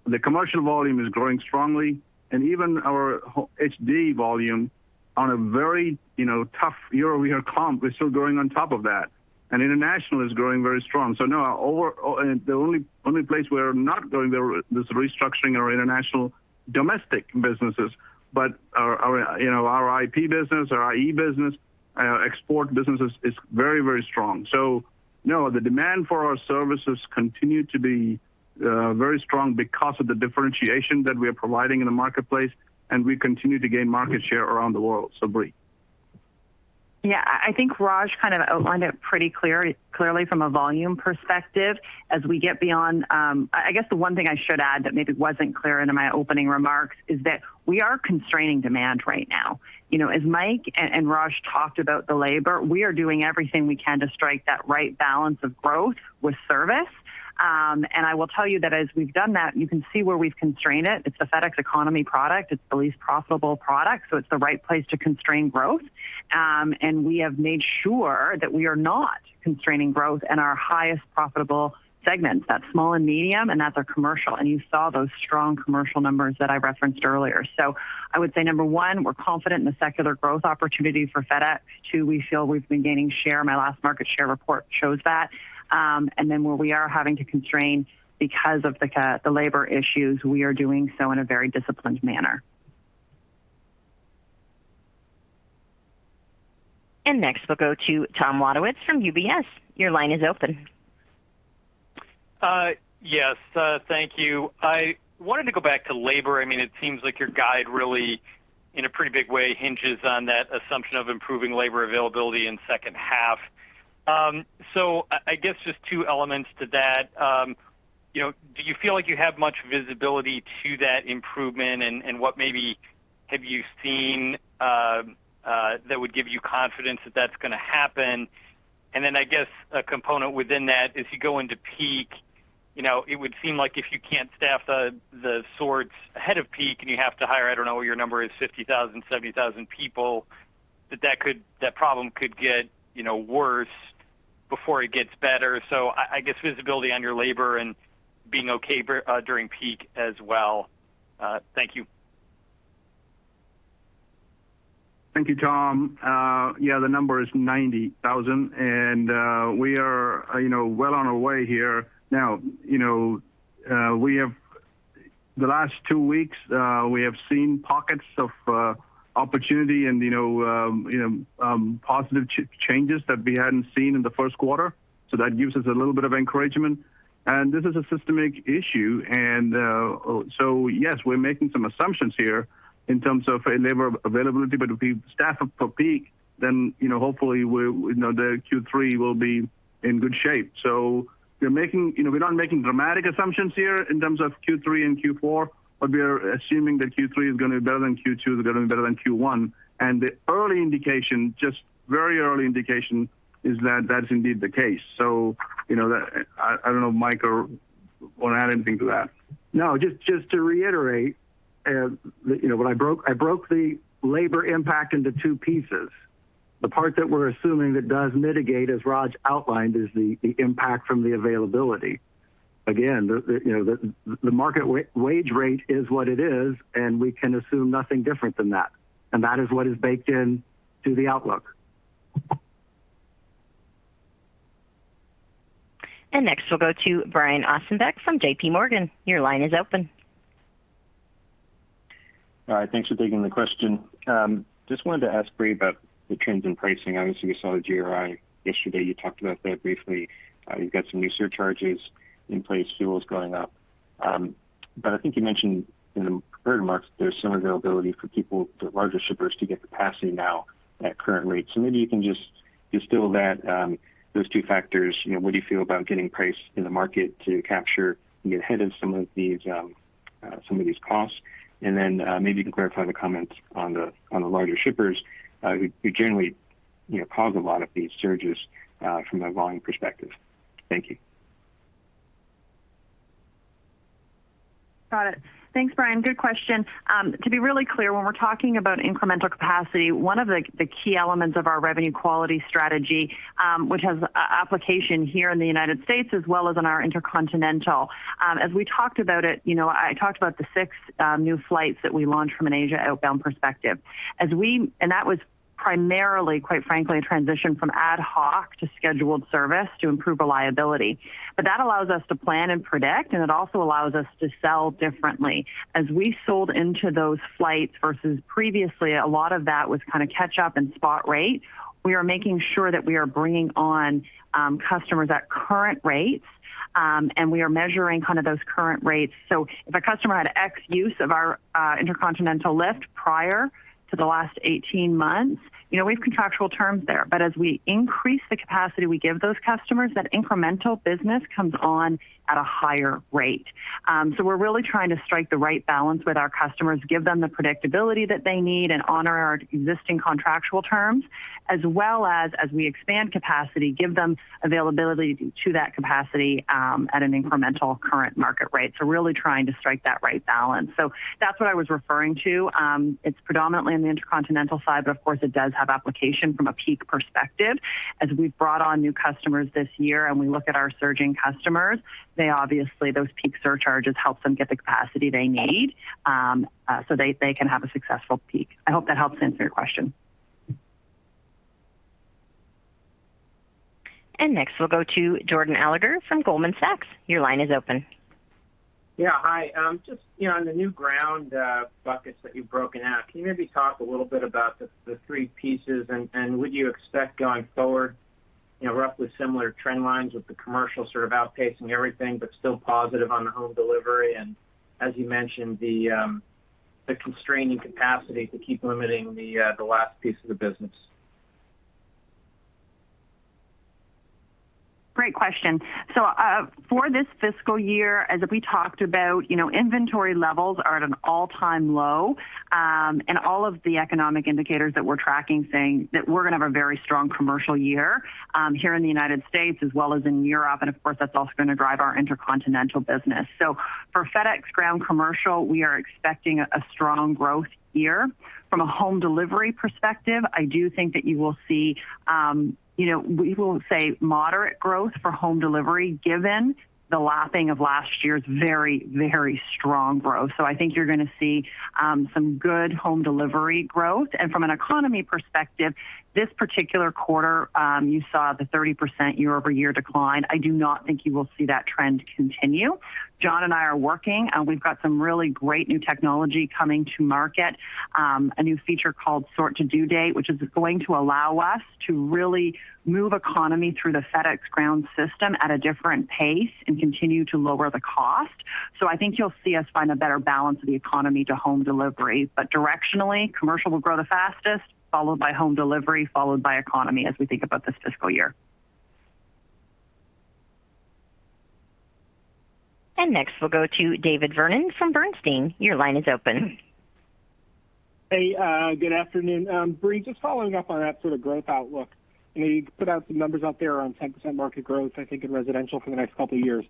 the commercial volume is growing strongly, and even our HD volume on a very tough year-over-year comp is still growing on top of that. International is growing very strong. No, the only place we're not growing there is restructuring our international domestic businesses. But our IP business, our IE business, export businesses is very strong. No, the demand for our services continue to be very strong because of the differentiation that we are providing in the marketplace, and we continue to gain market share around the world. Brie.
Yeah. I think Raj kind of outlined it pretty clearly from a volume perspective. I guess the one thing I should add that maybe wasn't clear into my opening remarks is that we are constraining demand right now. As Mike and Raj talked about the labor, we are doing everything we can to strike that right balance of growth with service. I will tell you that as we've done that, you can see where we've constrained it. It's the FedEx Economy product. It's the least profitable product, so it's the right place to constrain growth. We have made sure that we are not constraining growth in our highest profitable segments. That's small and medium, and that's our commercial. You saw those strong commercial numbers that I referenced earlier. I would say, number 1, we're confident in the secular growth opportunity for FedEx. Two, we feel we've been gaining share. My last market share report shows that. Then where we are having to constrain because of the labor issues, we are doing so in a very disciplined manner.
Next, we'll go to Thomas Wadewitz from UBS. Your line is open.
Yes. Thank you. I wanted to go back to labor. It seems like your guide really, in a pretty big way, hinges on that assumption of improving labor availability in second half. I guess just two elements to that. Do you feel like you have much visibility to that improvement, and what maybe have you seen that would give you confidence that that's going to happen? Then, I guess a component within that, as you go into peak, it would seem like if you can't staff the sorts ahead of peak and you have to hire, I don't know what your number is, 50,000, 70,000 people, that problem could get worse before it gets better. I guess visibility on your labor and being okay during peak as well. Thank you.
Thank you, Tom. Yeah, the number is 90,000, we are well on our way here. The last two weeks, we have seen pockets of opportunity and positive changes that we hadn't seen in the first quarter, that gives us a little bit of encouragement. This is a systemic issue, yes, we're making some assumptions here in terms of labor availability, if we staff up for peak, hopefully the Q3 will be in good shape. We're not making dramatic assumptions here in terms of Q3 and Q4, we are assuming that Q3 is going to be better than Q2 is going to be better than Q1. The early indication, just very early indication, is that that is indeed the case. I don't know, Mike, want to add anything to that?
No, just to reiterate, I broke the labor impact into two pieces. The part that we're assuming that does mitigate, as Raj outlined, is the impact from the availability. Again, the market wage rate is what it is, we can assume nothing different than that. That is what is baked into the outlook.
Next, we'll go to Brian Ossenbeck from JPMorgan. Your line is open.
All right. Thanks for taking the question. Just wanted to ask Brie about the trends in pricing. Obviously, we saw the GRI yesterday. You talked about that briefly. You've got some new surcharges in place, fuel's going up. I think you mentioned in the prepared remarks that there's some availability for the larger shippers to get capacity now at current rates. Maybe you can just distill that, those two factors. What do you feel about getting price in the market to capture and get ahead of some of these costs? Then, maybe you can clarify the comments on the larger shippers, who generally cause a lot of these surges from a volume perspective. Thank you.
Got it. Thanks, Brian. Good question. To be really clear, when we're talking about incremental capacity, one of the key elements of our revenue quality strategy, which has application here in the United States as well as on our intercontinental. As we talked about it, I talked about the six new flights that we launched from an Asia outbound perspective. That was primarily, quite frankly, a transition from ad hoc to scheduled service to improve reliability. That allows us to plan and predict, and it also allows us to sell differently. As we sold into those flights versus previously, a lot of that was catch up and spot rate. We are making sure that we are bringing on customers at current rates, and we are measuring those current rates. If a customer had X use of our intercontinental lift prior to the last 18 months, we have contractual terms there. As we increase the capacity we give those customers, that incremental business comes on at a higher rate. We're really trying to strike the right balance with our customers, give them the predictability that they need, and honor our existing contractual terms, as well as we expand capacity, give them availability to that capacity at an incremental current market rate. Really trying to strike that right balance. That's what I was referring to. It's predominantly on the intercontinental side, but of course it does have application from a peak perspective. As we've brought on new customers this year and we look at our surging customers, obviously those peak surcharges help them get the capacity they need, so they can have a successful peak. I hope that helps answer your question.
Next, we'll go to Jordan Alliger from Goldman Sachs. Your line is open.
Yeah, hi. Just on the new ground buckets that you've broken out, can you maybe talk a little bit about the three pieces? Would you expect going forward roughly similar trend lines with the commercial outpacing everything, but still positive on the FedEx Home Delivery and, as you mentioned, the constraining capacity to keep limiting the last piece of the business?
Great question. For this fiscal year, as we talked about, inventory levels are at an all-time low. All of the economic indicators that we're tracking saying that we're going to have a very strong commercial year here in the U.S. as well as in Europe, of course, that's also going to drive our intercontinental business. For FedEx Ground Commercial, we are expecting a strong growth year. From a FedEx Home Delivery perspective, I do think that you will see, we will say moderate growth for FedEx Home Delivery given the lapping of last year's very, very strong growth. I think you're going to see some good FedEx Home Delivery growth. From an economy perspective, this particular quarter, you saw the 30% year-over-year decline. I do not think you will see that trend continue. John and I are working. We've got some really great new technology coming to market. A new feature called Sort to Due Date, which is going to allow us to really move Economy through the FedEx Ground system at a different pace and continue to lower the cost. I think you'll see us find a better balance of the Economy to Home Delivery. Directionally, commercial will grow the fastest, followed by Home Delivery, followed by Economy as we think about this fiscal year.
Next, we'll go to David Vernon from Bernstein. Your line is open.
Hey, good afternoon. Brie, just following up on that sort of growth outlook. You put out some numbers out there on 10% market growth, I think in residential for the next couple of years.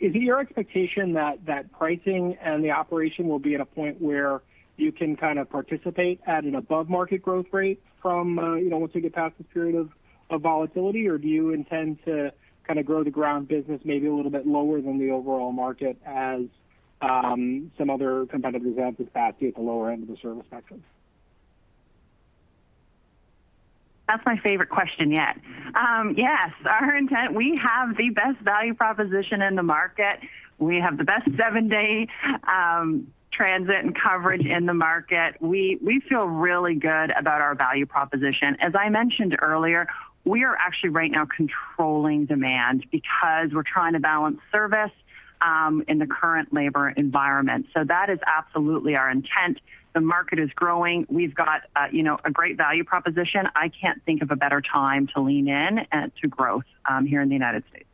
Is it your expectation that pricing and the operation will be at a point where you can participate at an above market growth rate from once we get past this period of volatility, or do you intend to grow the Ground business maybe a little bit lower than the overall market as some other competitors have this capacity at the lower end of the service spectrum?
That's my favorite question yet. Yes. Our intent, we have the best value proposition in the market. We have the best seven-day transit and coverage in the market. We feel really good about our value proposition. As I mentioned earlier, we are actually right now controlling demand because we're trying to balance service in the current labor environment. That is absolutely our intent. The market is growing. We've got a great value proposition. I can't think of a better time to lean in to growth here in the U.S.
Okay,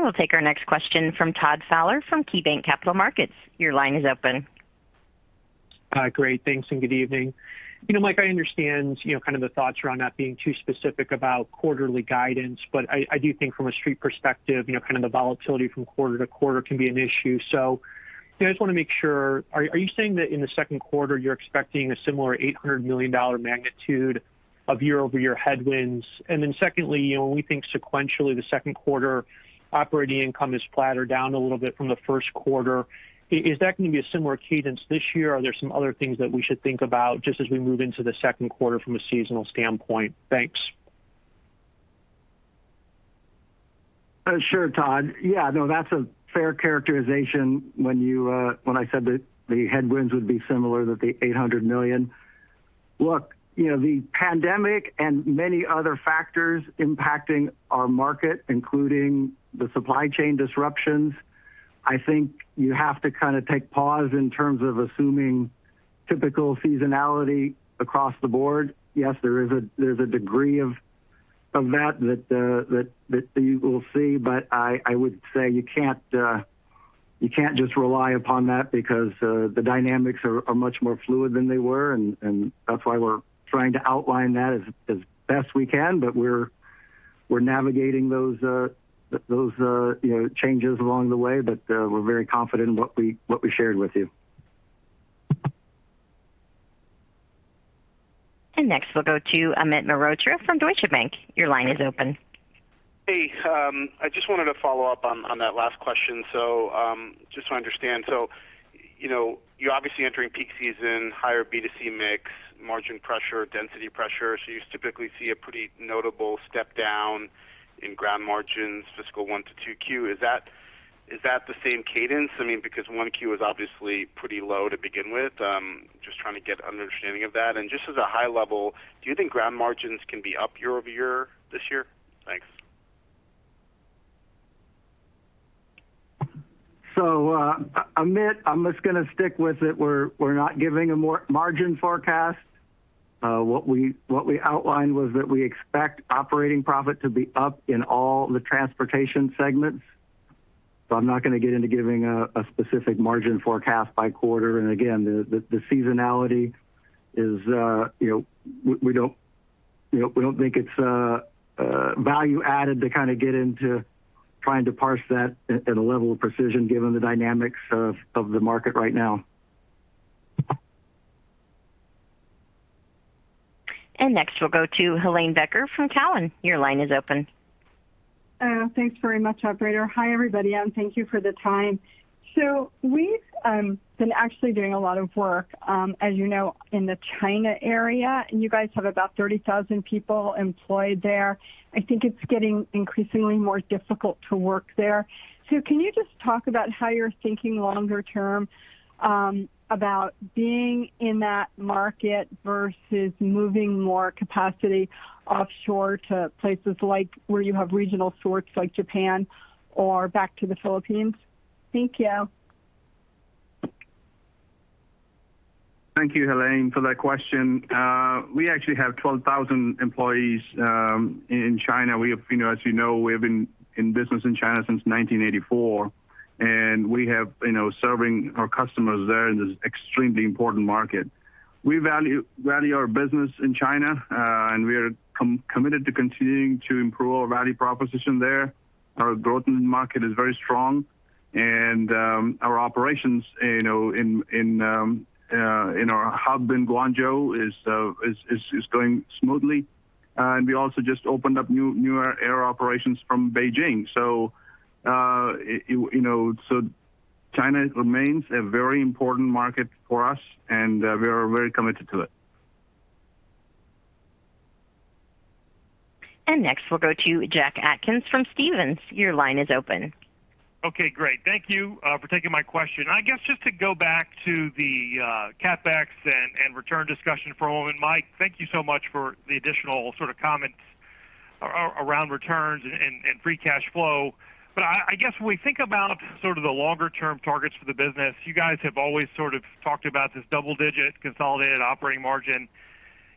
we'll take our next question from Todd Fowler from KeyBanc Capital Markets. Your line is open.
Great. Thanks, and good evening. Mike, I understand kind of the thoughts around not being too specific about quarterly guidance, but I do think from a Street perspective, kind of the volatility from quarter-to-quarter can be an issue. I just want to make sure, are you saying that in the second quarter, you're expecting a similar $800 million magnitude of year-over-year headwinds? Secondly, when we think sequentially, the second quarter operating income is flatter down a little bit from the first quarter. Is that going to be a similar cadence this year, or are there some other things that we should think about just as we move into the second quarter from a seasonal standpoint? Thanks.
Sure, Todd. Yeah, no, that's a fair characterization when I said that the headwinds would be similar that the $800 million. Look, the pandemic and many other factors impacting our market, including the supply chain disruptions, I think you have to kind of take pause in terms of assuming typical seasonality across the board. Yes, there's a degree of that you will see, but I would say you can't just rely upon that because the dynamics are much more fluid than they were, and that's why we're trying to outline that as best we can. We're navigating those changes along the way, but we're very confident in what we shared with you.
Next, we'll go to Amit Mehrotra from Deutsche Bank. Your line is open.
Hey, I just wanted to follow up on that last question. Just so I understand. You're obviously entering peak season, higher B2C mix, margin pressure, density pressure. You typically see a pretty notable step down in Ground margins fiscal 1 to 2 Q. Is that the same cadence? Because 1 Q is obviously pretty low to begin with. Just trying to get an understanding of that. Just as a high level, do you think Ground margins can be up year-over-year this year? Thanks.
Amit, I'm just going to stick with it. We're not giving a margin forecast. What we outlined was that we expect operating profit to be up in all the transportation segments. I'm not going to get into giving a specific margin forecast by quarter. Again, the seasonality. We don't think it's value added to kind of get into trying to parse that at a level of precision given the dynamics of the market right now.
Next, we'll go to Helane Becker from Cowen. Your line is open.
Thanks very much, operator. Hi, everybody, and thank you for the time. We've been actually doing a lot of work, as you know, in the China area, and you guys have about 30,000 people employed there. I think it's getting increasingly more difficult to work there. Can you just talk about how you're thinking longer term about being in that market versus moving more capacity offshore to places like where you have regional sorts like Japan or back to the Philippines? Thank you.
Thank you, Helane, for that question. We actually have 12,000 employees in China. As you know, we have been in business in China since 1984, and we have been serving our customers there in this extremely important market. We value our business in China, and we are committed to continuing to improve our value proposition there. Our growth in the market is very strong, and our operations in our hub in Guangzhou is going smoothly. We also just opened up newer air operations from Beijing. China remains a very important market for us, and we are very committed to it.
Next, we'll go to Jack Atkins from Stephens. Your line is open.
Okay, great. Thank you for taking my question. I guess just to go back to the CapEx and return discussion for a moment. Mike, thank you so much for the additional comments around returns and free cash flow. I guess when we think about the longer-term targets for the business, you guys have always talked about this double-digit consolidated operating margin,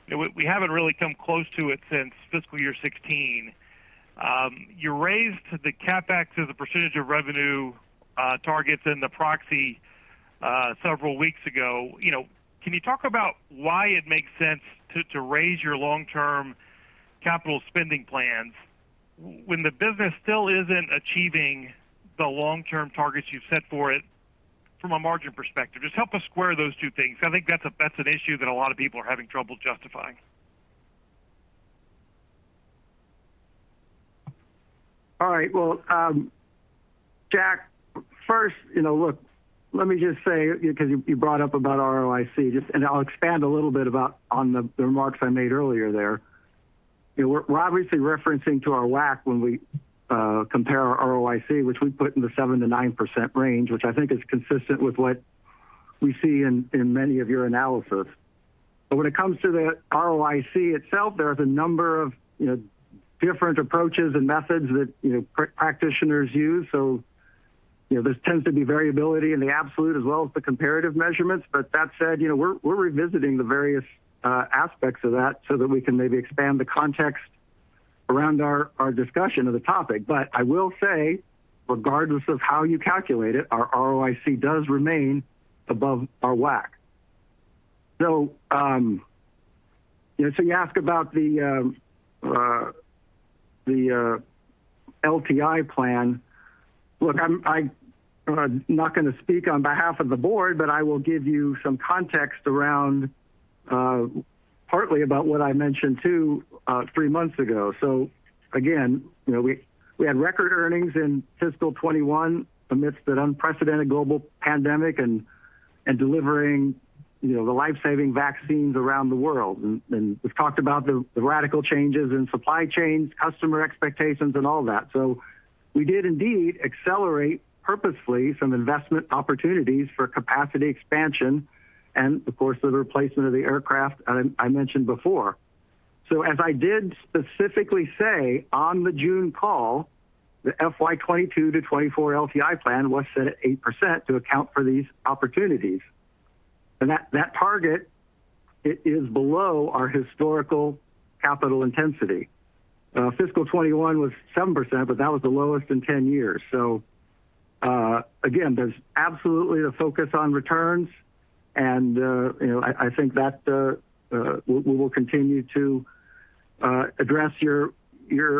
and we haven't really come close to it since fiscal year 2016. You raised the CapEx as a percentage of revenue targets in the proxy several weeks ago. Can you talk about why it makes sense to raise your long-term capital spending plans when the business still isn't achieving the long-term targets you've set for it from a margin perspective? Just help us square those two things. I think that's an issue that a lot of people are having trouble justifying.
All right. Well, Jack, first, look, let me just say, because you brought up about ROIC, and I'll expand a little bit about on the remarks I made earlier there. We're obviously referencing to our WACC when we compare our ROIC, which we put in the 7%-9% range, which I think is consistent with what we see in many of your analysis. When it comes to the ROIC itself, there's a number of different approaches and methods that practitioners use. There tends to be variability in the absolute as well as the comparative measurements. That said, we're revisiting the various aspects of that so that we can maybe expand the context around our discussion of the topic. I will say, regardless of how you calculate it, our ROIC does remain above our WACC. You ask about the LTI plan. Look, I'm not going to speak on behalf of the board, but I will give you some context around partly about what I mentioned too 3 months ago. Again, we had record earnings in fiscal 2021 amidst an unprecedented global pandemic and delivering the life-saving vaccines around the world. We've talked about the radical changes in supply chains, customer expectations, and all that. We did indeed accelerate purposefully some investment opportunities for capacity expansion and of course, the replacement of the aircraft I mentioned before. As I did specifically say on the June call, the FY 2022 to 2024 LTI plan was set at 8% to account for these opportunities. That target is below our historical capital intensity. Fiscal 2021 was 7%, but that was the lowest in 10 years. Again, there's absolutely a focus on returns, and I think that we will continue to address your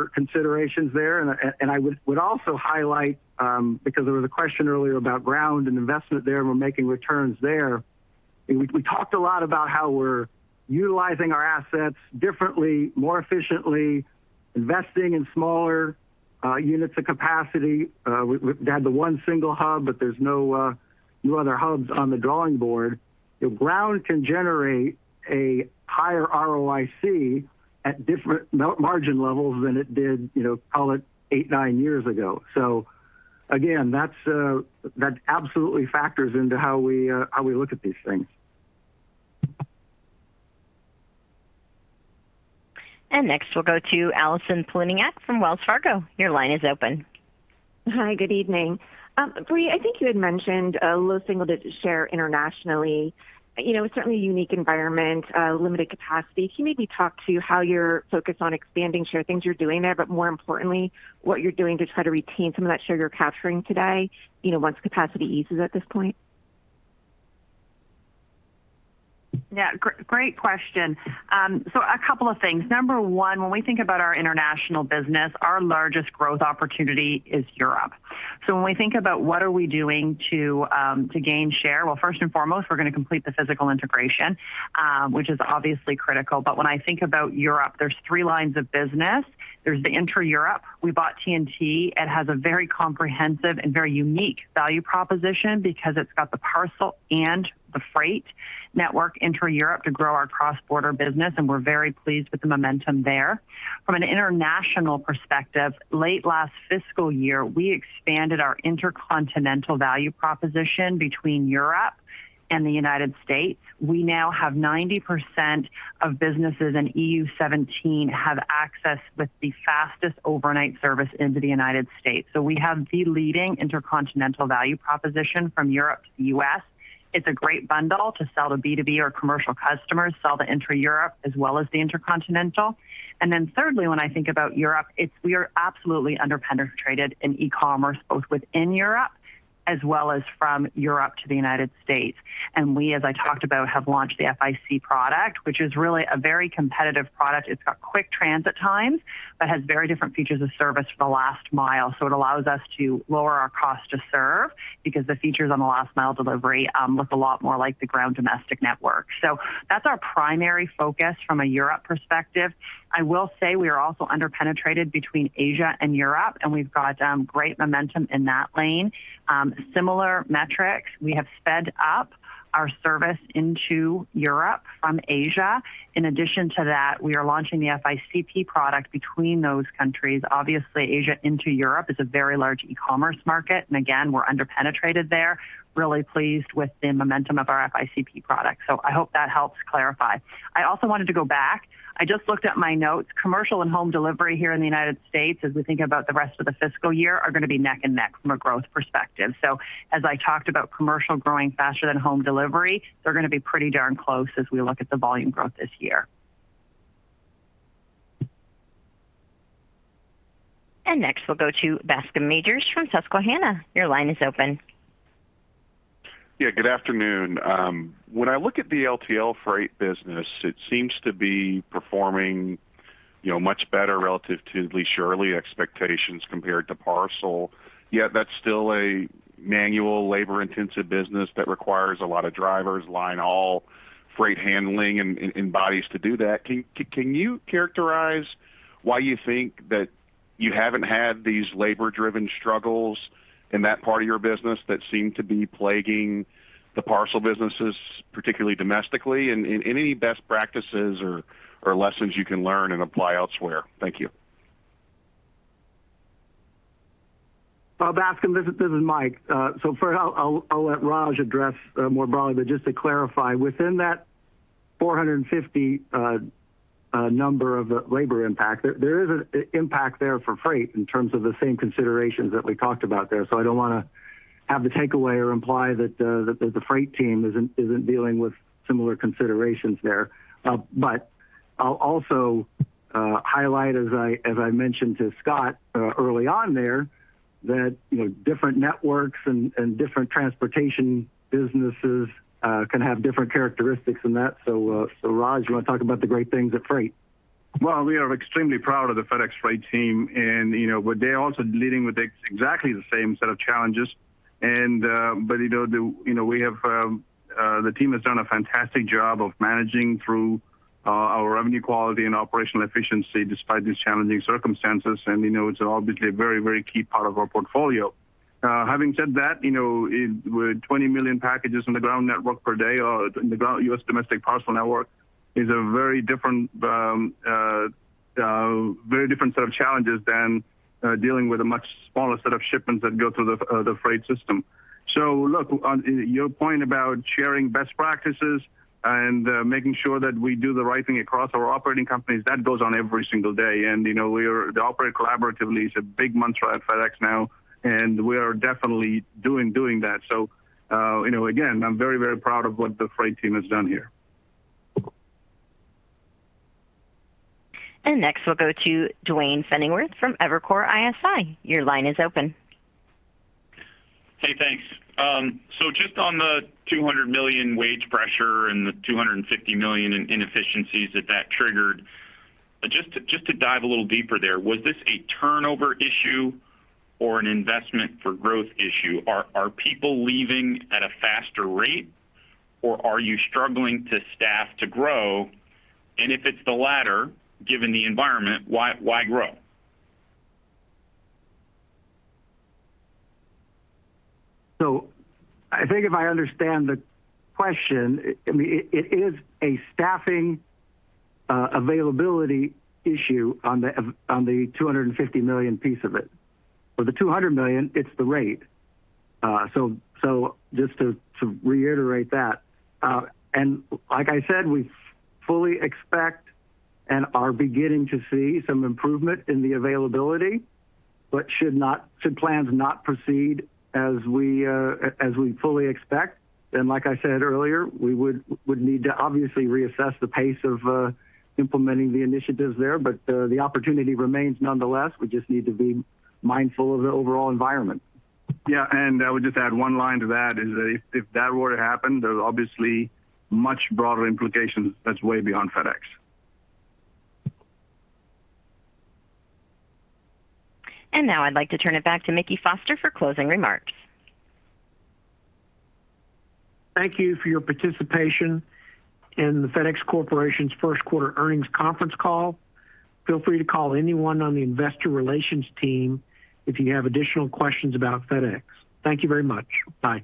considerations there. I would also highlight because there was a question earlier about FedEx Ground and investment there, and we're making returns there. We talked a lot about how we're utilizing our assets differently, more efficiently, investing in smaller units of capacity. We've had the 1 single hub, but there's no other hubs on the drawing board. FedEx Ground can generate a higher ROIC at different margin levels than it did call it 8, 9 years ago. Again, that absolutely factors into how we look at these things.
Next we'll go to Allison Poloniak from Wells Fargo. Your line is open.
Hi, good evening. Brie, I think you had mentioned low single-digit share internationally. Certainly a unique environment, limited capacity. Can you maybe talk to how you're focused on expanding share, things you're doing there, but more importantly, what you're doing to try to retain some of that share you're capturing today once capacity eases at this point?
Yeah, great question. A couple of things. Number 1, when we think about our international business, our largest growth opportunity is Europe. When we think about what are we doing to gain share, well, first and foremost, we're going to complete the physical integration, which is obviously critical. When I think about Europe, there's three lines of business. There's the intra-Europe. We bought TNT. It has a very comprehensive and very unique value proposition because it's got the parcel and the freight network intra-Europe to grow our cross-border business, and we're very pleased with the momentum there. From an international perspective, late last fiscal year, we expanded our intercontinental value proposition between Europe and the United States. We now have 90% of businesses in EU-17 have access with the fastest overnight service into the United States. We have the leading intercontinental value proposition from Europe to the U.S. It's a great bundle to sell to B2B or commercial customers, sell to intra-Europe as well as the intercontinental. Thirdly, when I think about Europe, we are absolutely under-penetrated in e-commerce both within Europe as well as from Europe to the United States. We, as I talked about, have launched the FICP product, which is really a very competitive product. It's got quick transit times, but has very different features of service for the last mile. It allows us to lower our cost to serve because the features on the last mile delivery look a lot more like the ground domestic network. That's our primary focus from a Europe perspective. I will say we are also under-penetrated between Asia and Europe, and we've got great momentum in that lane. Similar metrics, we have sped up our service into Europe from Asia. In addition to that, we are launching the FICP product between those countries. Obviously, Asia into Europe is a very large e-commerce market, again, we're under-penetrated there. Really pleased with the momentum of our FICP product. I hope that helps clarify. I also wanted to go back I just looked at my notes. Commercial and Home Delivery here in the United States, as we think about the rest of the fiscal year, are going to be neck and neck from a growth perspective. As I talked about commercial growing faster than Home Delivery, they're going to be pretty darn close as we look at the volume growth this year.
Next, we'll go to Bascome Majors from Susquehanna. Your line is open.
Good afternoon. When I look at the LTL Freight business, it seems to be performing much better relative to Lee Shirley expectations compared to parcel. That's still a manual labor-intensive business that requires a lot of drivers, line haul, freight handling, and bodies to do that. Can you characterize why you think that you haven't had these labor-driven struggles in that part of your business that seem to be plaguing the parcel businesses, particularly domestically? Any best practices or lessons you can learn and apply elsewhere? Thank you.
Bascome, this is Mike. First, I'll let Raj address more broadly, but just to clarify, within that $450 number of labor impact, there is an impact there for Freight in terms of the same considerations that we talked about there. I don't want to have the takeaway or imply that the Freight team isn't dealing with similar considerations there. I'll also highlight, as I mentioned to Scott early on there, that different networks and different transportation businesses can have different characteristics in that. Raj, you want to talk about the great things at Freight?
Well, we are extremely proud of the FedEx Freight team, and they're also leading with exactly the same set of challenges. The team has done a fantastic job of managing through our revenue quality and operational efficiency despite these challenging circumstances. It's obviously a very key part of our portfolio. Having said that, with 20 million packages on the Ground network per day or in the Ground U.S. domestic parcel network is a very different set of challenges than dealing with a much smaller set of shipments that go through the Freight system. Look, on your point about sharing best practices and making sure that we do the right thing across our operating companies, that goes on every single day. The operate collaboratively is a big mantra at FedEx now, and we are definitely doing that. Again, I'm very proud of what the Freight team has done here.
Next, we'll go to Duane Pfennigwerth from Evercore ISI. Your line is open.
Hey, thanks. Just on the $200 million wage pressure and the $250 million in inefficiencies that that triggered. Just to dive a little deeper there, was this a turnover issue or an investment for growth issue? Are people leaving at a faster rate, or are you struggling to staff to grow? If it's the latter, given the environment, why grow?
I think if I understand the question, it is a staffing availability issue on the $250 million piece of it. For the $200 million, it's the rate. Just to reiterate that. Like I said, we fully expect and are beginning to see some improvement in the availability. Should plans not proceed as we fully expect, then like I said earlier, we would need to obviously reassess the pace of implementing the initiatives there. The opportunity remains nonetheless. We just need to be mindful of the overall environment.
Yeah, I would just add one line to that is that if that were to happen, there's obviously much broader implications that's way beyond FedEx.
Now I'd like to turn it back to Mickey Foster for closing remarks.
Thank you for your participation in the FedEx Corporation's first quarter earnings conference call. Feel free to call anyone on the investor relations team if you have additional questions about FedEx. Thank you very much. Bye.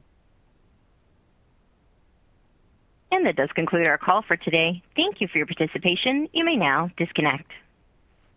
That does conclude our call for today. Thank you for your participation. You may now disconnect.